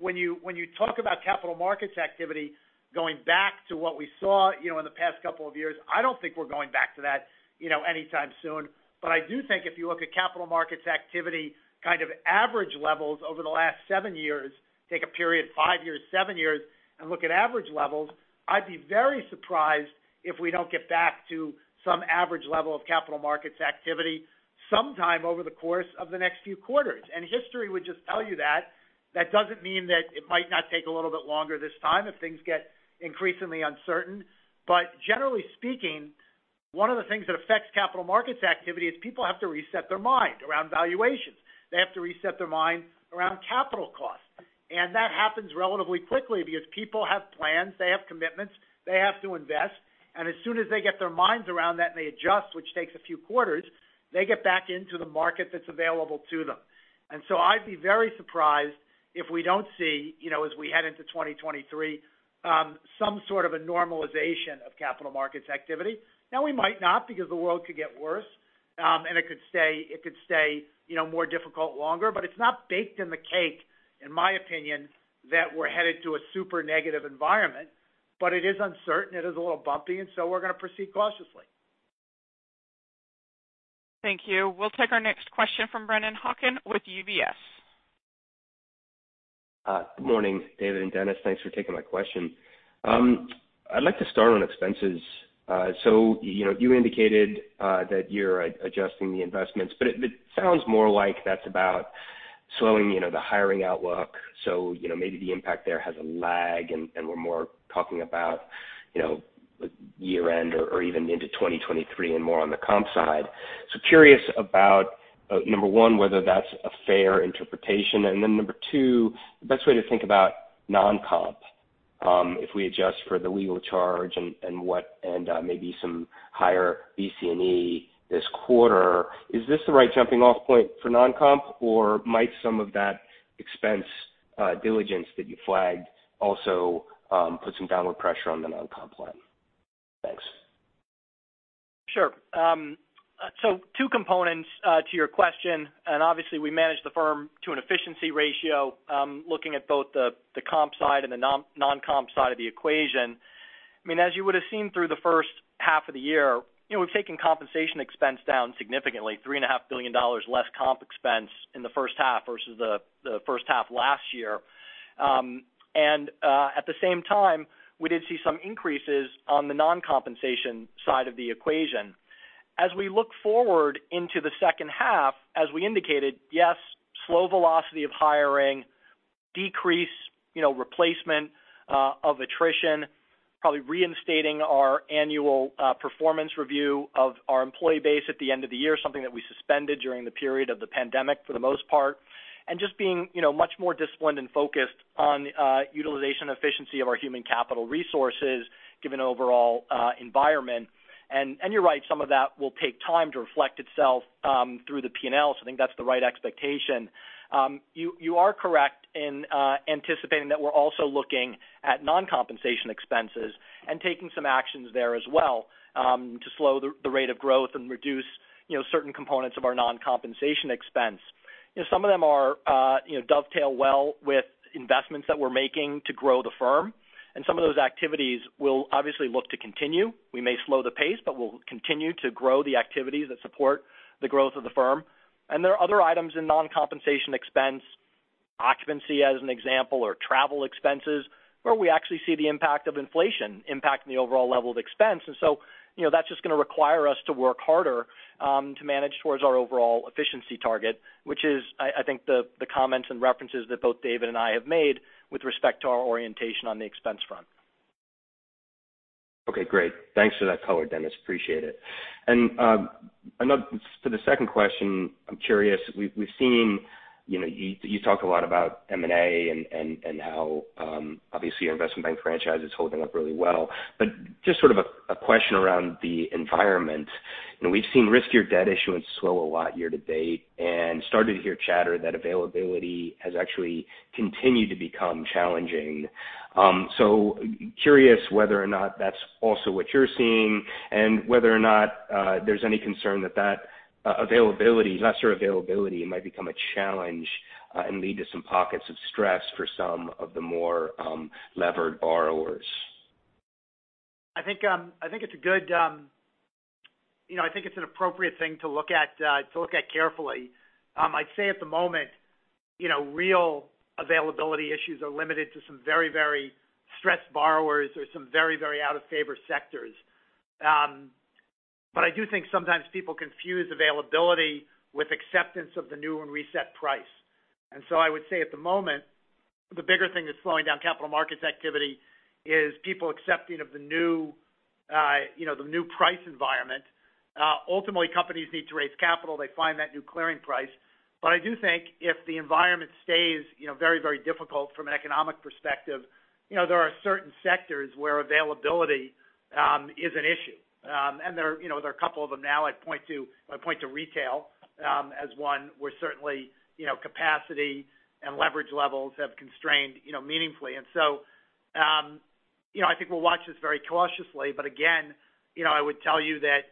When you talk about capital markets activity going back to what we saw, you know, in the past couple of years, I don't think we're going back to that, you know, anytime soon. I do think if you look at capital markets activity kind of average levels over the last seven years, take a period, five years, seven years and look at average levels, I'd be very surprised if we don't get back to some average level of capital markets activity sometime over the course of the next few quarters. History would just tell you that. That doesn't mean that it might not take a little bit longer this time if things get increasingly uncertain. Generally speaking, one of the things that affects capital markets activity is people have to reset their mind around valuations. They have to reset their mind around capital costs. That happens relatively quickly because people have plans, they have commitments, they have to invest. As soon as they get their minds around that and they adjust, which takes a few quarters, they get back into the market that's available to them. I'd be very surprised if we don't see, you know, as we head into 2023, some sort of a normalization of capital markets activity. Now, we might not because the world could get worse, and it could stay, you know, more difficult longer. It's not baked in the cake, in my opinion, that we're headed to a super negative environment. It is uncertain, it is a little bumpy, and so we're gonna proceed cautiously. Thank you. We'll take our next question from Brennan Hawken with UBS. Good morning, David and Dennis. Thanks for taking my question. I'd like to start on expenses. You know, you indicated that you're adjusting the investments, but it sounds more like that's about slowing you know, the hiring outlook. You know, maybe the impact there has a lag and we're more talking about you know, year-end or even into 2023 and more on the comp side. Curious about number one, whether that's a fair interpretation. Number two, the best way to think about non-comp if we adjust for the legal charge and maybe some higher BCE this quarter. Is this the right jumping off point for non-comp, or might some of that expense diligence that you flagged also put some downward pressure on the non-comp plan? Thanks. Sure. So two components to your question, and obviously we manage the firm to an efficiency ratio, looking at both the comp side and the non-comp side of the equation. I mean, as you would have seen through the first half of the year, you know, we've taken compensation expense down significantly, $3.5 billion less comp expense in the first half versus the first half last year. And at the same time, we did see some increases on the non-compensation side of the equation. As we look forward into the second half, as we indicated, yes, slow velocity of hiring, decrease, you know, replacement of attrition, probably reinstating our annual performance review of our employee base at the end of the year, something that we suspended during the period of the pandemic for the most part. Just being, you know, much more disciplined and focused on utilization efficiency of our human capital resources given overall environment. You're right, some of that will take time to reflect itself through the P&L. So I think that's the right expectation. You are correct in anticipating that we're also looking at non-compensation expenses and taking some actions there as well to slow the rate of growth and reduce, you know, certain components of our non-compensation expense. You know, some of them are, you know, dovetail well with investments that we're making to grow the firm, and some of those activities we'll obviously look to continue. We may slow the pace, but we'll continue to grow the activities that support the growth of the firm. There are other items in non-compensation expense Occupancy as an example or travel expenses, where we actually see the impact of inflation impacting the overall level of expense. You know, that's just gonna require us to work harder to manage towards our overall efficiency target, which is, I think, the comments and references that both David and I have made with respect to our orientation on the expense front. Okay, great. Thanks for that color, Dennis. Appreciate it. The second question, I'm curious. We've seen, you know, you talked a lot about M&A and how, obviously our investment bank franchise is holding up really well. Just sort of a question around the environment. You know, we've seen riskier debt issuance slow a lot year to date and started to hear chatter that availability has actually continued to become challenging. Curious whether or not that's also what you're seeing and whether or not, there's any concern that availability, lesser availability might become a challenge, and lead to some pockets of stress for some of the more levered borrowers. I think it's an appropriate thing to look at carefully. I'd say at the moment, you know, real availability issues are limited to some very, very stressed borrowers or some very, very out-of-favor sectors. I do think sometimes people confuse availability with acceptance of the new and reset price. I would say at the moment, the bigger thing that's slowing down capital markets activity is people accepting of the new, you know, the new price environment. Ultimately, companies need to raise capital, they find that new clearing price. I do think if the environment stays, you know, very, very difficult from an economic perspective, you know, there are certain sectors where availability is an issue. There are, you know, a couple of them now. I point to retail as one where certainly, you know, capacity and leverage levels have constrained, you know, meaningfully. I think we'll watch this very cautiously. Again, you know, I would tell you that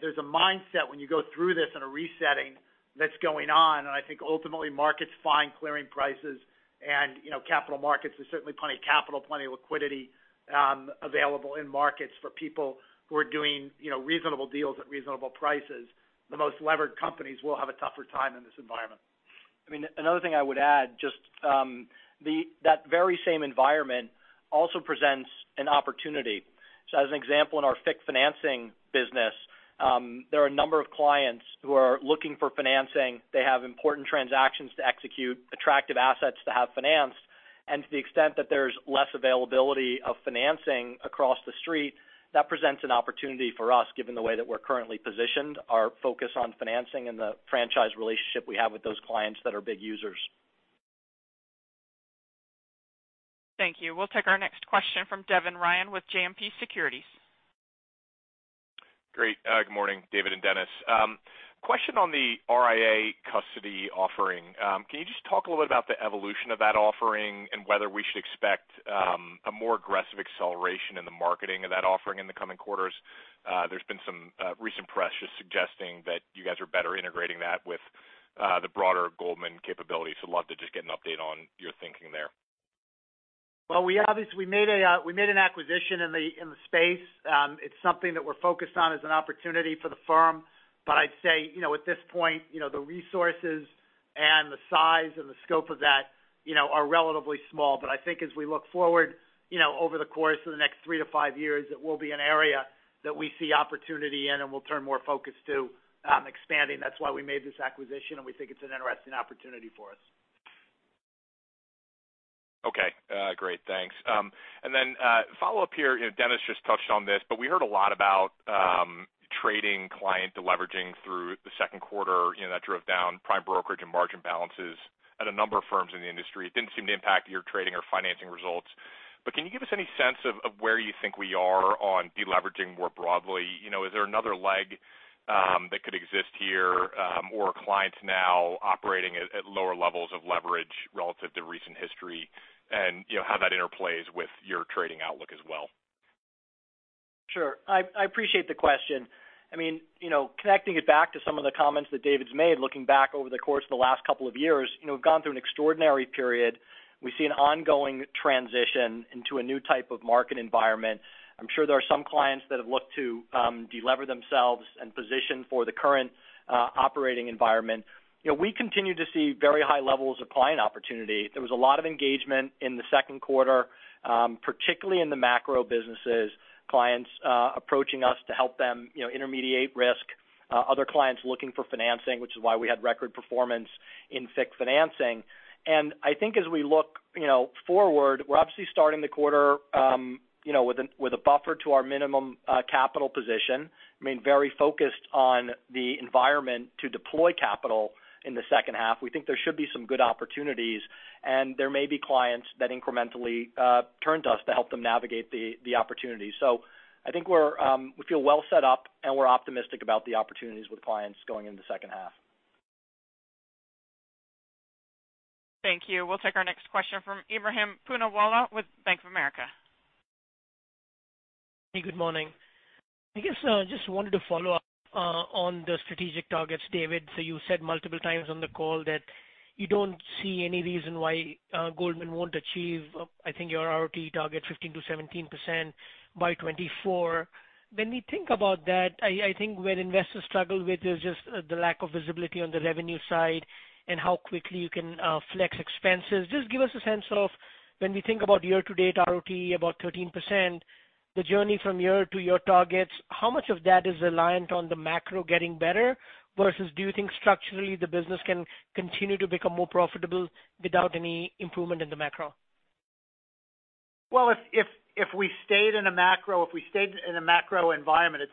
there's a mindset when you go through this in a resetting that's going on. I think ultimately markets find clearing prices and, you know, capital markets. There's certainly plenty of capital, plenty of liquidity available in markets for people who are doing, you know, reasonable deals at reasonable prices. The most levered companies will have a tougher time in this environment. I mean, another thing I would add, just, that very same environment also presents an opportunity. As an example, in our FICC financing business, there are a number of clients who are looking for financing. They have important transactions to execute, attractive assets to have financed. To the extent that there's less availability of financing across the street, that presents an opportunity for us given the way that we're currently positioned, our focus on financing and the franchise relationship we have with those clients that are big users. Thank you. We'll take our next question from Devin Ryan with JMP Securities. Great. Good morning, David and Denis. Question on the RIA custody offering. Can you just talk a little bit about the evolution of that offering and whether we should expect a more aggressive acceleration in the marketing of that offering in the coming quarters? There's been some recent press just suggesting that you guys are better integrating that with the broader Goldman Sachs capabilities. Love to just get an update on your thinking there. Well, we made an acquisition in the space. It's something that we're focused on as an opportunity for the firm. I'd say, you know, at this point, you know, the resources and the size and the scope of that, you know, are relatively small. I think as we look forward, you know, over the course of the next three to five years, it will be an area that we see opportunity in and we'll turn more focus to expanding. That's why we made this acquisition, and we think it's an interesting opportunity for us. Okay. Great, thanks. Follow up here, you know, Denis just touched on this, but we heard a lot about trading client deleveraging through the Q2, you know, that drove down prime brokerage and margin balances at a number of firms in the industry. It didn't seem to impact your trading or financing results. Can you give us any sense of where you think we are on deleveraging more broadly? You know, is there another leg that could exist here, or are clients now operating at lower levels of leverage relative to recent history and, you know, how that interplays with your trading outlook as well? Sure. I appreciate the question. I mean, you know, connecting it back to some of the comments that David's made, looking back over the course of the last couple of years, you know, we've gone through an extraordinary period. We see an ongoing transition into a new type of market environment. I'm sure there are some clients that have looked to delever themselves and position for the current operating environment. You know, we continue to see very high levels of client opportunity. There was a lot of engagement in the Q2, particularly in the macro businesses, clients approaching us to help them, you know, intermediate risk, other clients looking for financing, which is why we had record performance in FICC financing. I think as we look, you know, forward, we're obviously starting the quarter, you know, with a buffer to our minimum capital position. I mean, very focused on the environment to deploy capital in the second half. We think there should be some good opportunities, and there may be clients that incrementally turn to us to help them navigate the opportunity. I think we feel well set up, and we're optimistic about the opportunities with clients going into the second half. Thank you. We'll take our next question from Ebrahim Poonawala with Bank of America. Hey, good morning. I guess just wanted to follow up on the strategic targets, David. You said multiple times on the call that you don't see any reason why Goldman won't achieve, I think, your ROTE target 15%-17% by 2024. When we think about that, I think where investors struggle with is just the lack of visibility on the revenue side and how quickly you can flex expenses. Give us a sense of, when we think about year-to-date ROTE about 13%, the journey from here to your targets, how much of that is reliant on the macro getting better versus do you think structurally the business can continue to become more profitable without any improvement in the macro? Well, if we stayed in a macro environment,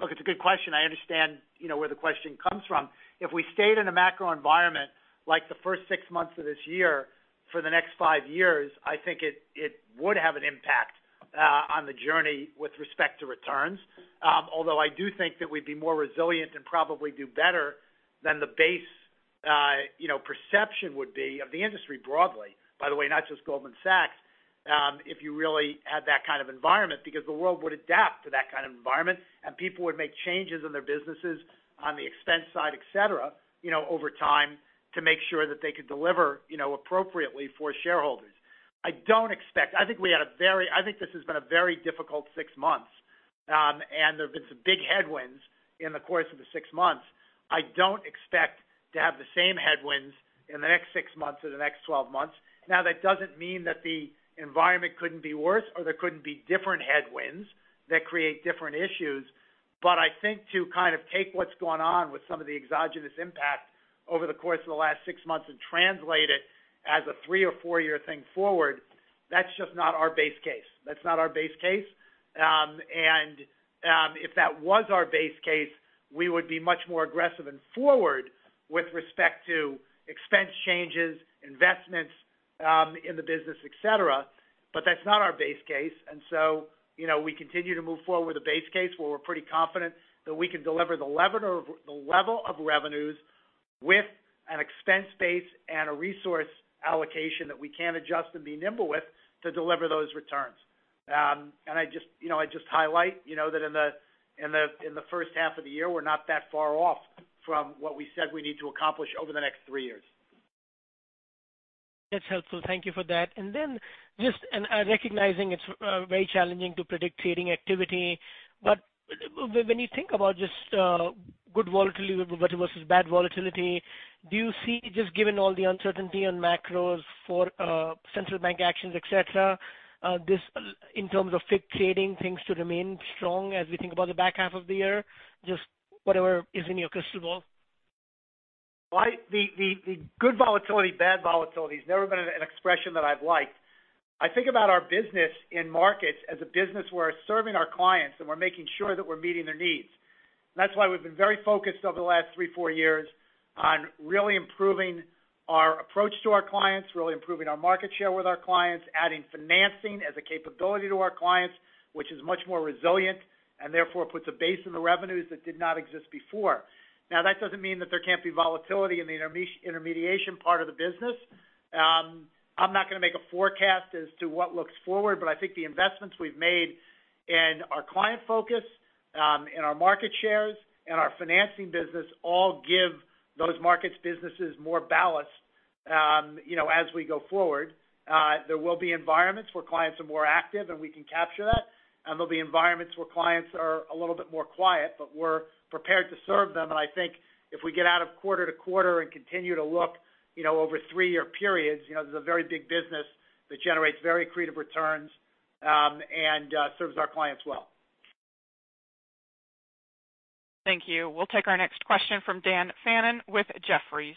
look, it's a good question. I understand, you know, where the question comes from. If we stayed in a macro environment like the first six months of this year for the next five years, I think it would have an impact on the journey with respect to returns. Although I do think that we'd be more resilient and probably do better than the base, you know, perception would be of the industry broadly, by the way, not just Goldman Sachs, if you really had that kind of environment, because the world would adapt to that kind of environment, and people would make changes in their businesses on the expense side, et cetera, you know, over time to make sure that they could deliver, you know, appropriately for shareholders. I think this has been a very difficult six months. There have been some big headwinds in the course of the six months. I don't expect to have the same headwinds in the next six months or the next twelve months. Now, that doesn't mean that the environment couldn't be worse or there couldn't be different headwinds that create different issues. I think to kind of take what's going on with some of the exogenous impact over the course of the last six months and translate it as a three or four-year thing forward, that's just not our base case. That's not our base case. If that was our base case, we would be much more aggressive and forward with respect to expense changes, investments, in the business, et cetera. That's not our base case. You know, we continue to move forward with a base case where we're pretty confident that we can deliver the level of revenues with an expense base and a resource allocation that we can adjust and be nimble with to deliver those returns. I just, you know, I just highlight, you know, that in the first half of the year, we're not that far off from what we said we need to accomplish over the next three years. That's helpful. Thank you for that. Then, recognizing it's very challenging to predict trading activity. When you think about just good volatility versus bad volatility, do you see, given all the uncertainty on macros for central bank actions, et cetera, this in terms of FICC trading things to remain strong as we think about the back half of the year? Just whatever is in your crystal ball. Well, the good volatility, bad volatility has never been an expression that I've liked. I think about our business in markets as a business where we're serving our clients, and we're making sure that we're meeting their needs. That's why we've been very focused over the last 3, 4 years on really improving our approach to our clients, really improving our market share with our clients, adding financing as a capability to our clients, which is much more resilient and therefore puts a base in the revenues that did not exist before. Now, that doesn't mean that there can't be volatility in the intermediation part of the business. I'm not going to make a forecast as to what looks forward, but I think the investments we've made in our client focus, in our market shares and our financing business all give those markets businesses more ballast, you know, as we go forward. There will be environments where clients are more active, and we can capture that. There'll be environments where clients are a little bit more quiet, but we're prepared to serve them. I think if we get out of quarter to quarter and continue to look, you know, over three-year periods, you know, this is a very big business that generates very accretive returns, and serves our clients well. Thank you. We'll take our next question from Daniel Fannon with Jefferies.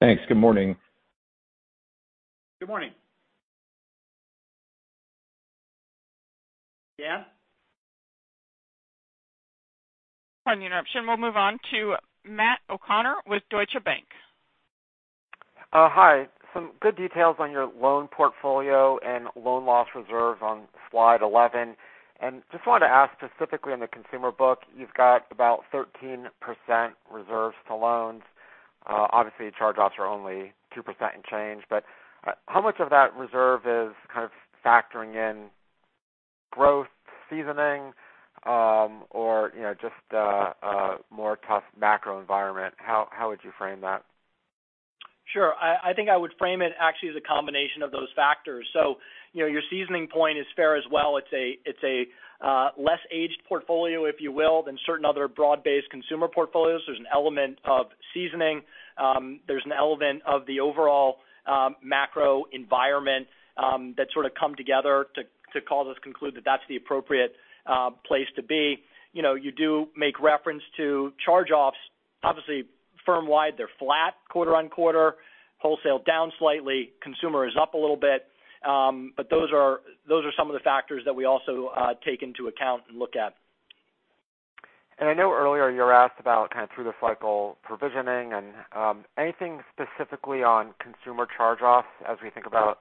Thanks. Good morning. Good morning. Dan? Pardon the interruption. We'll move on to Matt O'Connor with Deutsche Bank. Hi. Some good details on your loan portfolio and loan loss reserves on slide 11. Just wanted to ask specifically on the consumer book, you've got about 13% reserves to loans. Obviously, charge-offs are only 2% and change. How much of that reserve is kind of factoring in growth, seasoning, or, you know, just a more tough macro environment? How would you frame that? Sure. I think I would frame it actually as a combination of those factors. You know, your seasoning point is fair as well. It's a less aged portfolio, if you will, than certain other broad-based consumer portfolios. There's an element of seasoning. There's an element of the overall macro environment that sort of come together to cause us to conclude that that's the appropriate place to be. You know, you do make reference to charge-offs. Obviously, firm-wide, they're flat quarter-over-quarter, wholesale down slightly, consumer is up a little bit. Those are some of the factors that we also take into account and look at. I know earlier you were asked about kind of through the cycle provisioning and, anything specifically on consumer charge-offs as we think about,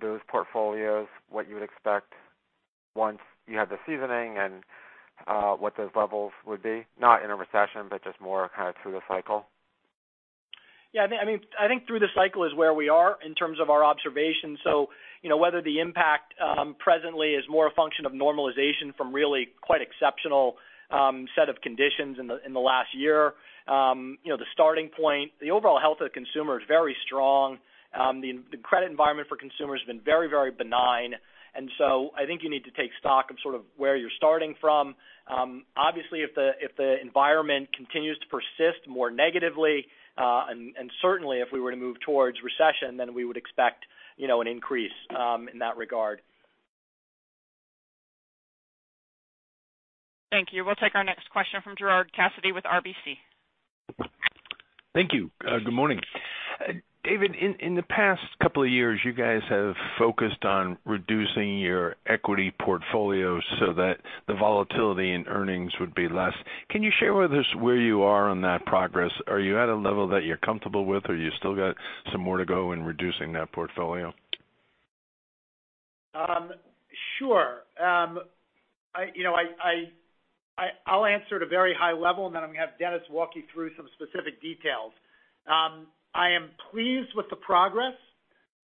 those portfolios, what you would expect once you have the seasoning and, what those levels would be, not in a recession, but just more kind of through the cycle? Yeah, I think, I mean, I think through the cycle is where we are in terms of our observations. You know, whether the impact presently is more a function of normalization from really quite exceptional set of conditions in the last year. You know, the starting point, the overall health of the consumer is very strong. The credit environment for consumers has been very, very benign. I think you need to take stock of sort of where you're starting from. Obviously, if the environment continues to persist more negatively, and certainly if we were to move towards recession, then we would expect, you know, an increase in that regard. Thank you. We'll take our next question from Gerard Cassidy with RBC. Thank you. Good morning. David, in the past couple of years, you guys have focused on reducing your equity portfolio so that the volatility in earnings would be less. Can you share with us where you are on that progress? Are you at a level that you're comfortable with or you still got some more to go in reducing that portfolio? Sure. You know, I’ll answer at a very high level, and then I’m gonna have Denis walk you through some specific details. I am pleased with the progress,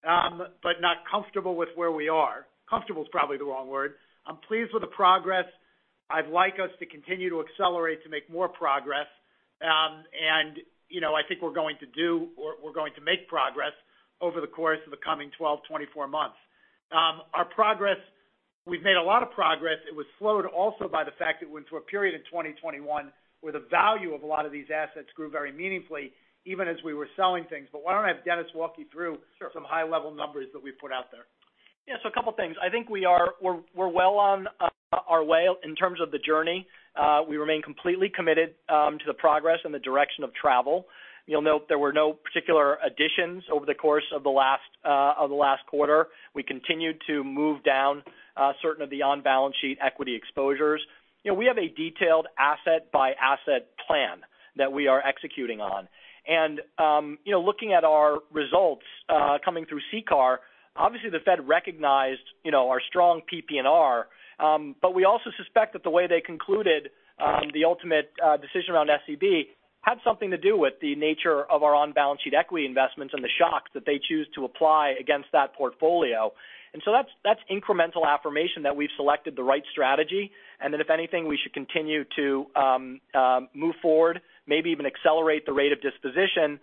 but not comfortable with where we are. Comfortable is probably the wrong word. I’m pleased with the progress. I’d like us to continue to accelerate to make more progress. You know, I think we’re going to do or we’re going to make progress over the course of the coming 12, 24 months. Our progress, we’ve made a lot of progress. It was slowed also by the fact that we went through a period in 2021 where the value of a lot of these assets grew very meaningfully even as we were selling things. Why don’t I have Denis walk you through- Sure. Some high-level numbers that we put out there. Yeah. A couple of things. I think we're well on our way in terms of the journey. We remain completely committed to the progress and the direction of travel. You'll note there were no particular additions over the course of the last quarter. We continued to move down certain of the on-balance sheet equity exposures. You know, we have a detailed asset-by-asset plan that we are executing on. You know, looking at our results coming through CCAR, obviously the Fed recognized our strong PPNR. We also suspect that the way they concluded the ultimate decision around SCB had something to do with the nature of our on-balance sheet equity investments and the shocks that they choose to apply against that portfolio. That's incremental affirmation that we've selected the right strategy, and that if anything, we should continue to move forward, maybe even accelerate the rate of disposition,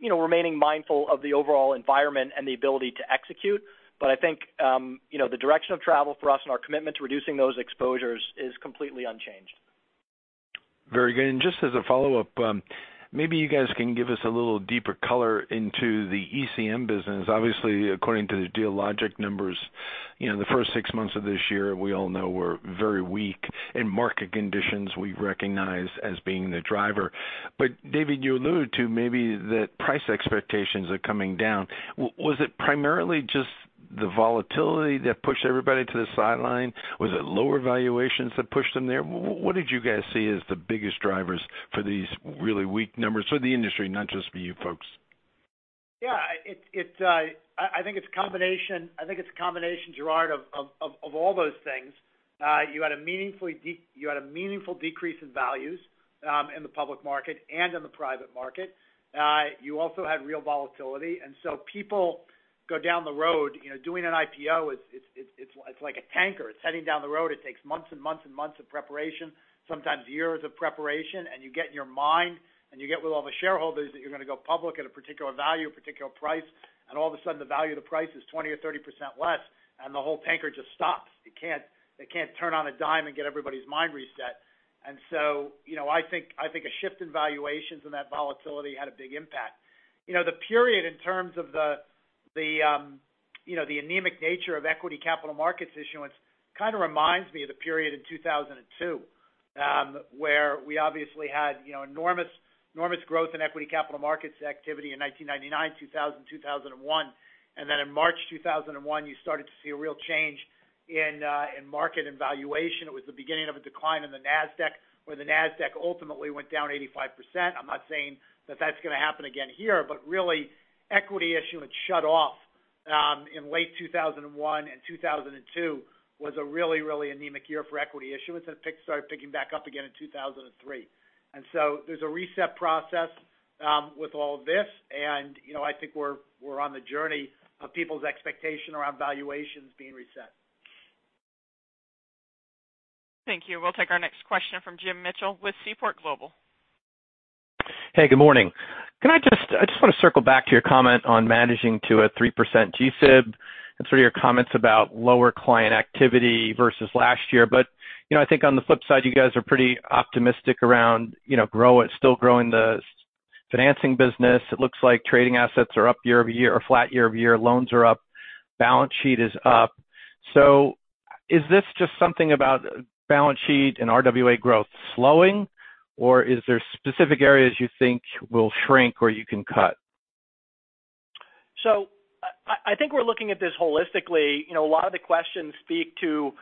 you know, remaining mindful of the overall environment and the ability to execute. I think, you know, the direction of travel for us and our commitment to reducing those exposures is completely unchanged. Very good. Just as a follow-up, maybe you guys can give us a little deeper color into the ECM business. Obviously, according to the Dealogic numbers, you know, the first six months of this year, we all know were very weak, and market conditions we recognize as being the driver. David, you alluded to maybe that price expectations are coming down. Was it primarily just the volatility that pushed everybody to the sideline? Was it lower valuations that pushed them there? What did you guys see as the biggest drivers for these really weak numbers for the industry, not just for you folks? Yeah, it's a combination. I think it's a combination, Gerard, of all those things. You had a meaningful decrease in values in the public market and in the private market. You also had real volatility. People go down the road, you know, doing an IPO, it's like a tanker. It's heading down the road. It takes months and months and months of preparation, sometimes years of preparation, and you get in your mind, and you get with all the shareholders that you're gonna go public at a particular value, a particular price, and all of a sudden the value of the price is 20% or 30% less, and the whole tanker just stops. They can't turn on a dime and get everybody's mind reset. You know, I think a shift in valuations and that volatility had a big impact. You know, the period in terms of the anemic nature of Equity Capital Markets issuance kind of reminds me of the period in 2002, where we obviously had, you know, enormous growth in Equity Capital Markets activity in 1999, 2000, 2001. In March 2001, you started to see a real change in market and valuation. It was the beginning of a decline in the Nasdaq, where the Nasdaq ultimately went down 85%. I'm not saying that that's gonna happen again here, but really equity issuance shut off in late 2001, and 2002 was a really anemic year for equity issuance. It started picking back up again in 2003. There's a reset process with all of this. You know, I think we're on the journey of people's expectation around valuations being reset. Thank you. We'll take our next question from Jim Mitchell with Seaport Global. Hey, good morning. I just wanna circle back to your comment on managing to a 3% G-SIB and some of your comments about lower client activity versus last year. You know, I think on the flip side, you guys are pretty optimistic around, you know, still growing the financing business. It looks like trading assets are up year-over-year or flat year-over-year. Loans are up. Balance sheet is up. Is this just something about balance sheet and RWA growth slowing, or is there specific areas you think will shrink or you can cut? I think we're looking at this holistically. You know, a lot of the questions speak to,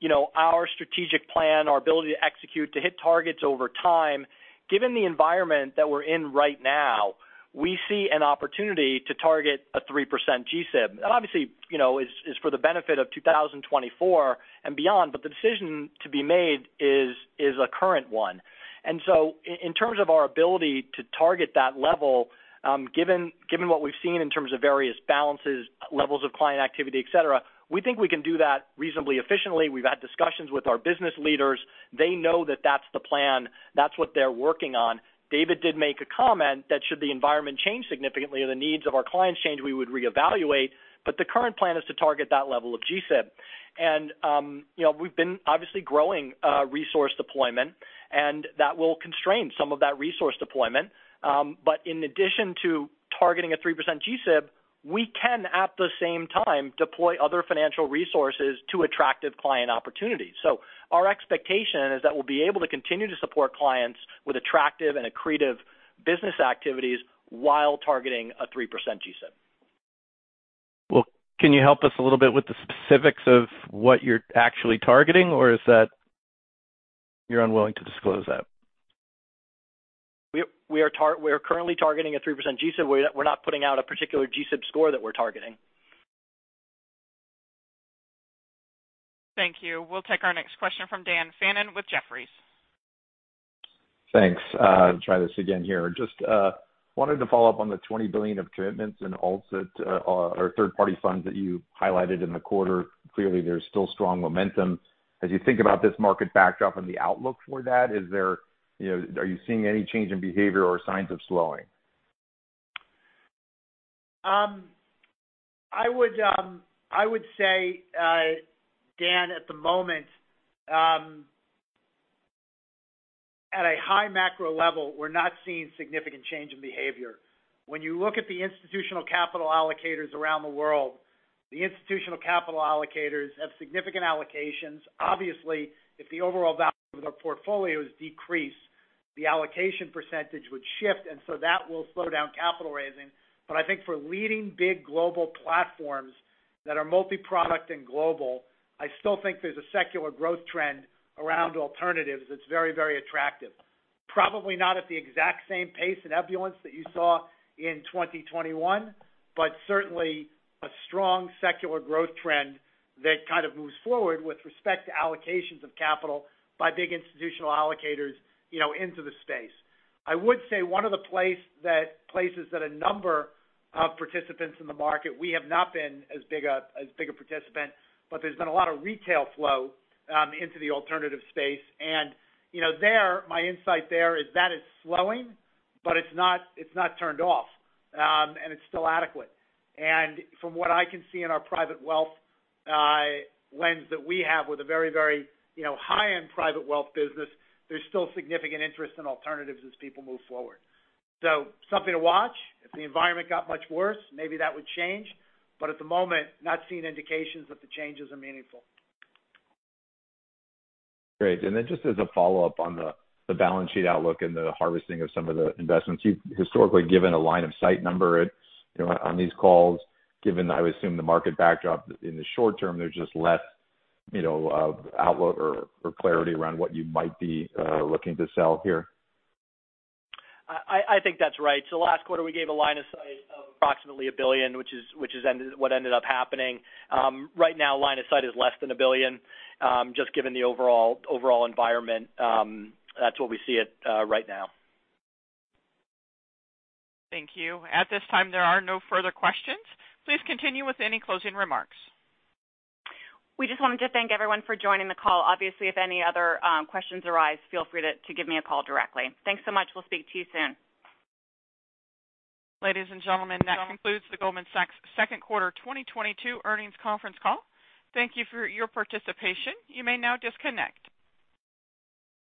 you know, our strategic plan, our ability to execute, to hit targets over time. Given the environment that we're in right now, we see an opportunity to target a 3% GSIB. Obviously, you know, is for the benefit of 2024 and beyond, but the decision to be made is a current one. In terms of our ability to target that level, given what we've seen in terms of various balances, levels of client activity, et cetera, we think we can do that reasonably efficiently. We've had discussions with our business leaders. They know that that's the plan. That's what they're working on. David did make a comment that should the environment change significantly or the needs of our clients change, we would reevaluate, but the current plan is to target that level of GSIB. You know, we've been obviously growing resource deployment, and that will constrain some of that resource deployment. In addition to targeting a 3% GSIB, we can at the same time deploy other financial resources to attractive client opportunities. Our expectation is that we'll be able to continue to support clients with attractive and accretive business activities while targeting a 3% GSIB. Well, can you help us a little bit with the specifics of what you're actually targeting, or is that you're unwilling to disclose that? We are currently targeting a 3% GSIB. We're not putting out a particular GSIB score that we're targeting. Thank you. We'll take our next question from Daniel Fannon with Jefferies. Thanks. Try this again here. Just wanted to follow up on the $20 billion of commitments and alts that or third-party funds that you highlighted in the quarter. Clearly, there's still strong momentum. As you think about this market backdrop and the outlook for that, is there, you know, are you seeing any change in behavior or signs of slowing? I would say, Dan, at the moment, at a high macro level, we're not seeing significant change in behavior. When you look at the institutional capital allocators around the world, the institutional capital allocators have significant allocations. Obviously, if the overall value of their portfolios decrease, the allocation percentage would shift, and so that will slow down capital raising. I think for leading big global platforms that are multi-product and global, I still think there's a secular growth trend around alternatives that's very, very attractive. Probably not at the exact same pace and ebullience that you saw in 2021, certainly a strong secular growth trend that kind of moves forward with respect to allocations of capital by big institutional allocators, you know, into the space. I would say one of the places that a number of participants in the market, we have not been as big a participant, but there's been a lot of retail flow into the alternative space. You know, there, my insight there is that it's slowing, but it's not turned off, and it's still adequate. From what I can see in our private wealth lens that we have with a very high-end private wealth business, there's still significant interest in alternatives as people move forward. Something to watch. If the environment got much worse, maybe that would change. At the moment, not seeing indications that the changes are meaningful. Great. Just as a follow-up on the balance sheet outlook and the harvesting of some of the investments. You've historically given a line of sight number, you know, on these calls. Given, I would assume, the market backdrop in the short term, there's just less, you know, outlook or clarity around what you might be looking to sell here. I think that's right. Last quarter, we gave a line of sight of approximately $1 billion, which is what ended up happening. Right now, line of sight is less than $1 billion, just given the overall environment. That's where we see it right now. Thank you. At this time, there are no further questions. Please continue with any closing remarks. We just wanted to thank everyone for joining the call. Obviously, if any other questions arise, feel free to give me a call directly. Thanks so much. We'll speak to you soon. Ladies and gentlemen, that concludes the Goldman Sachs Q2 2022 earnings conference call. Thank you for your participation. You may now disconnect.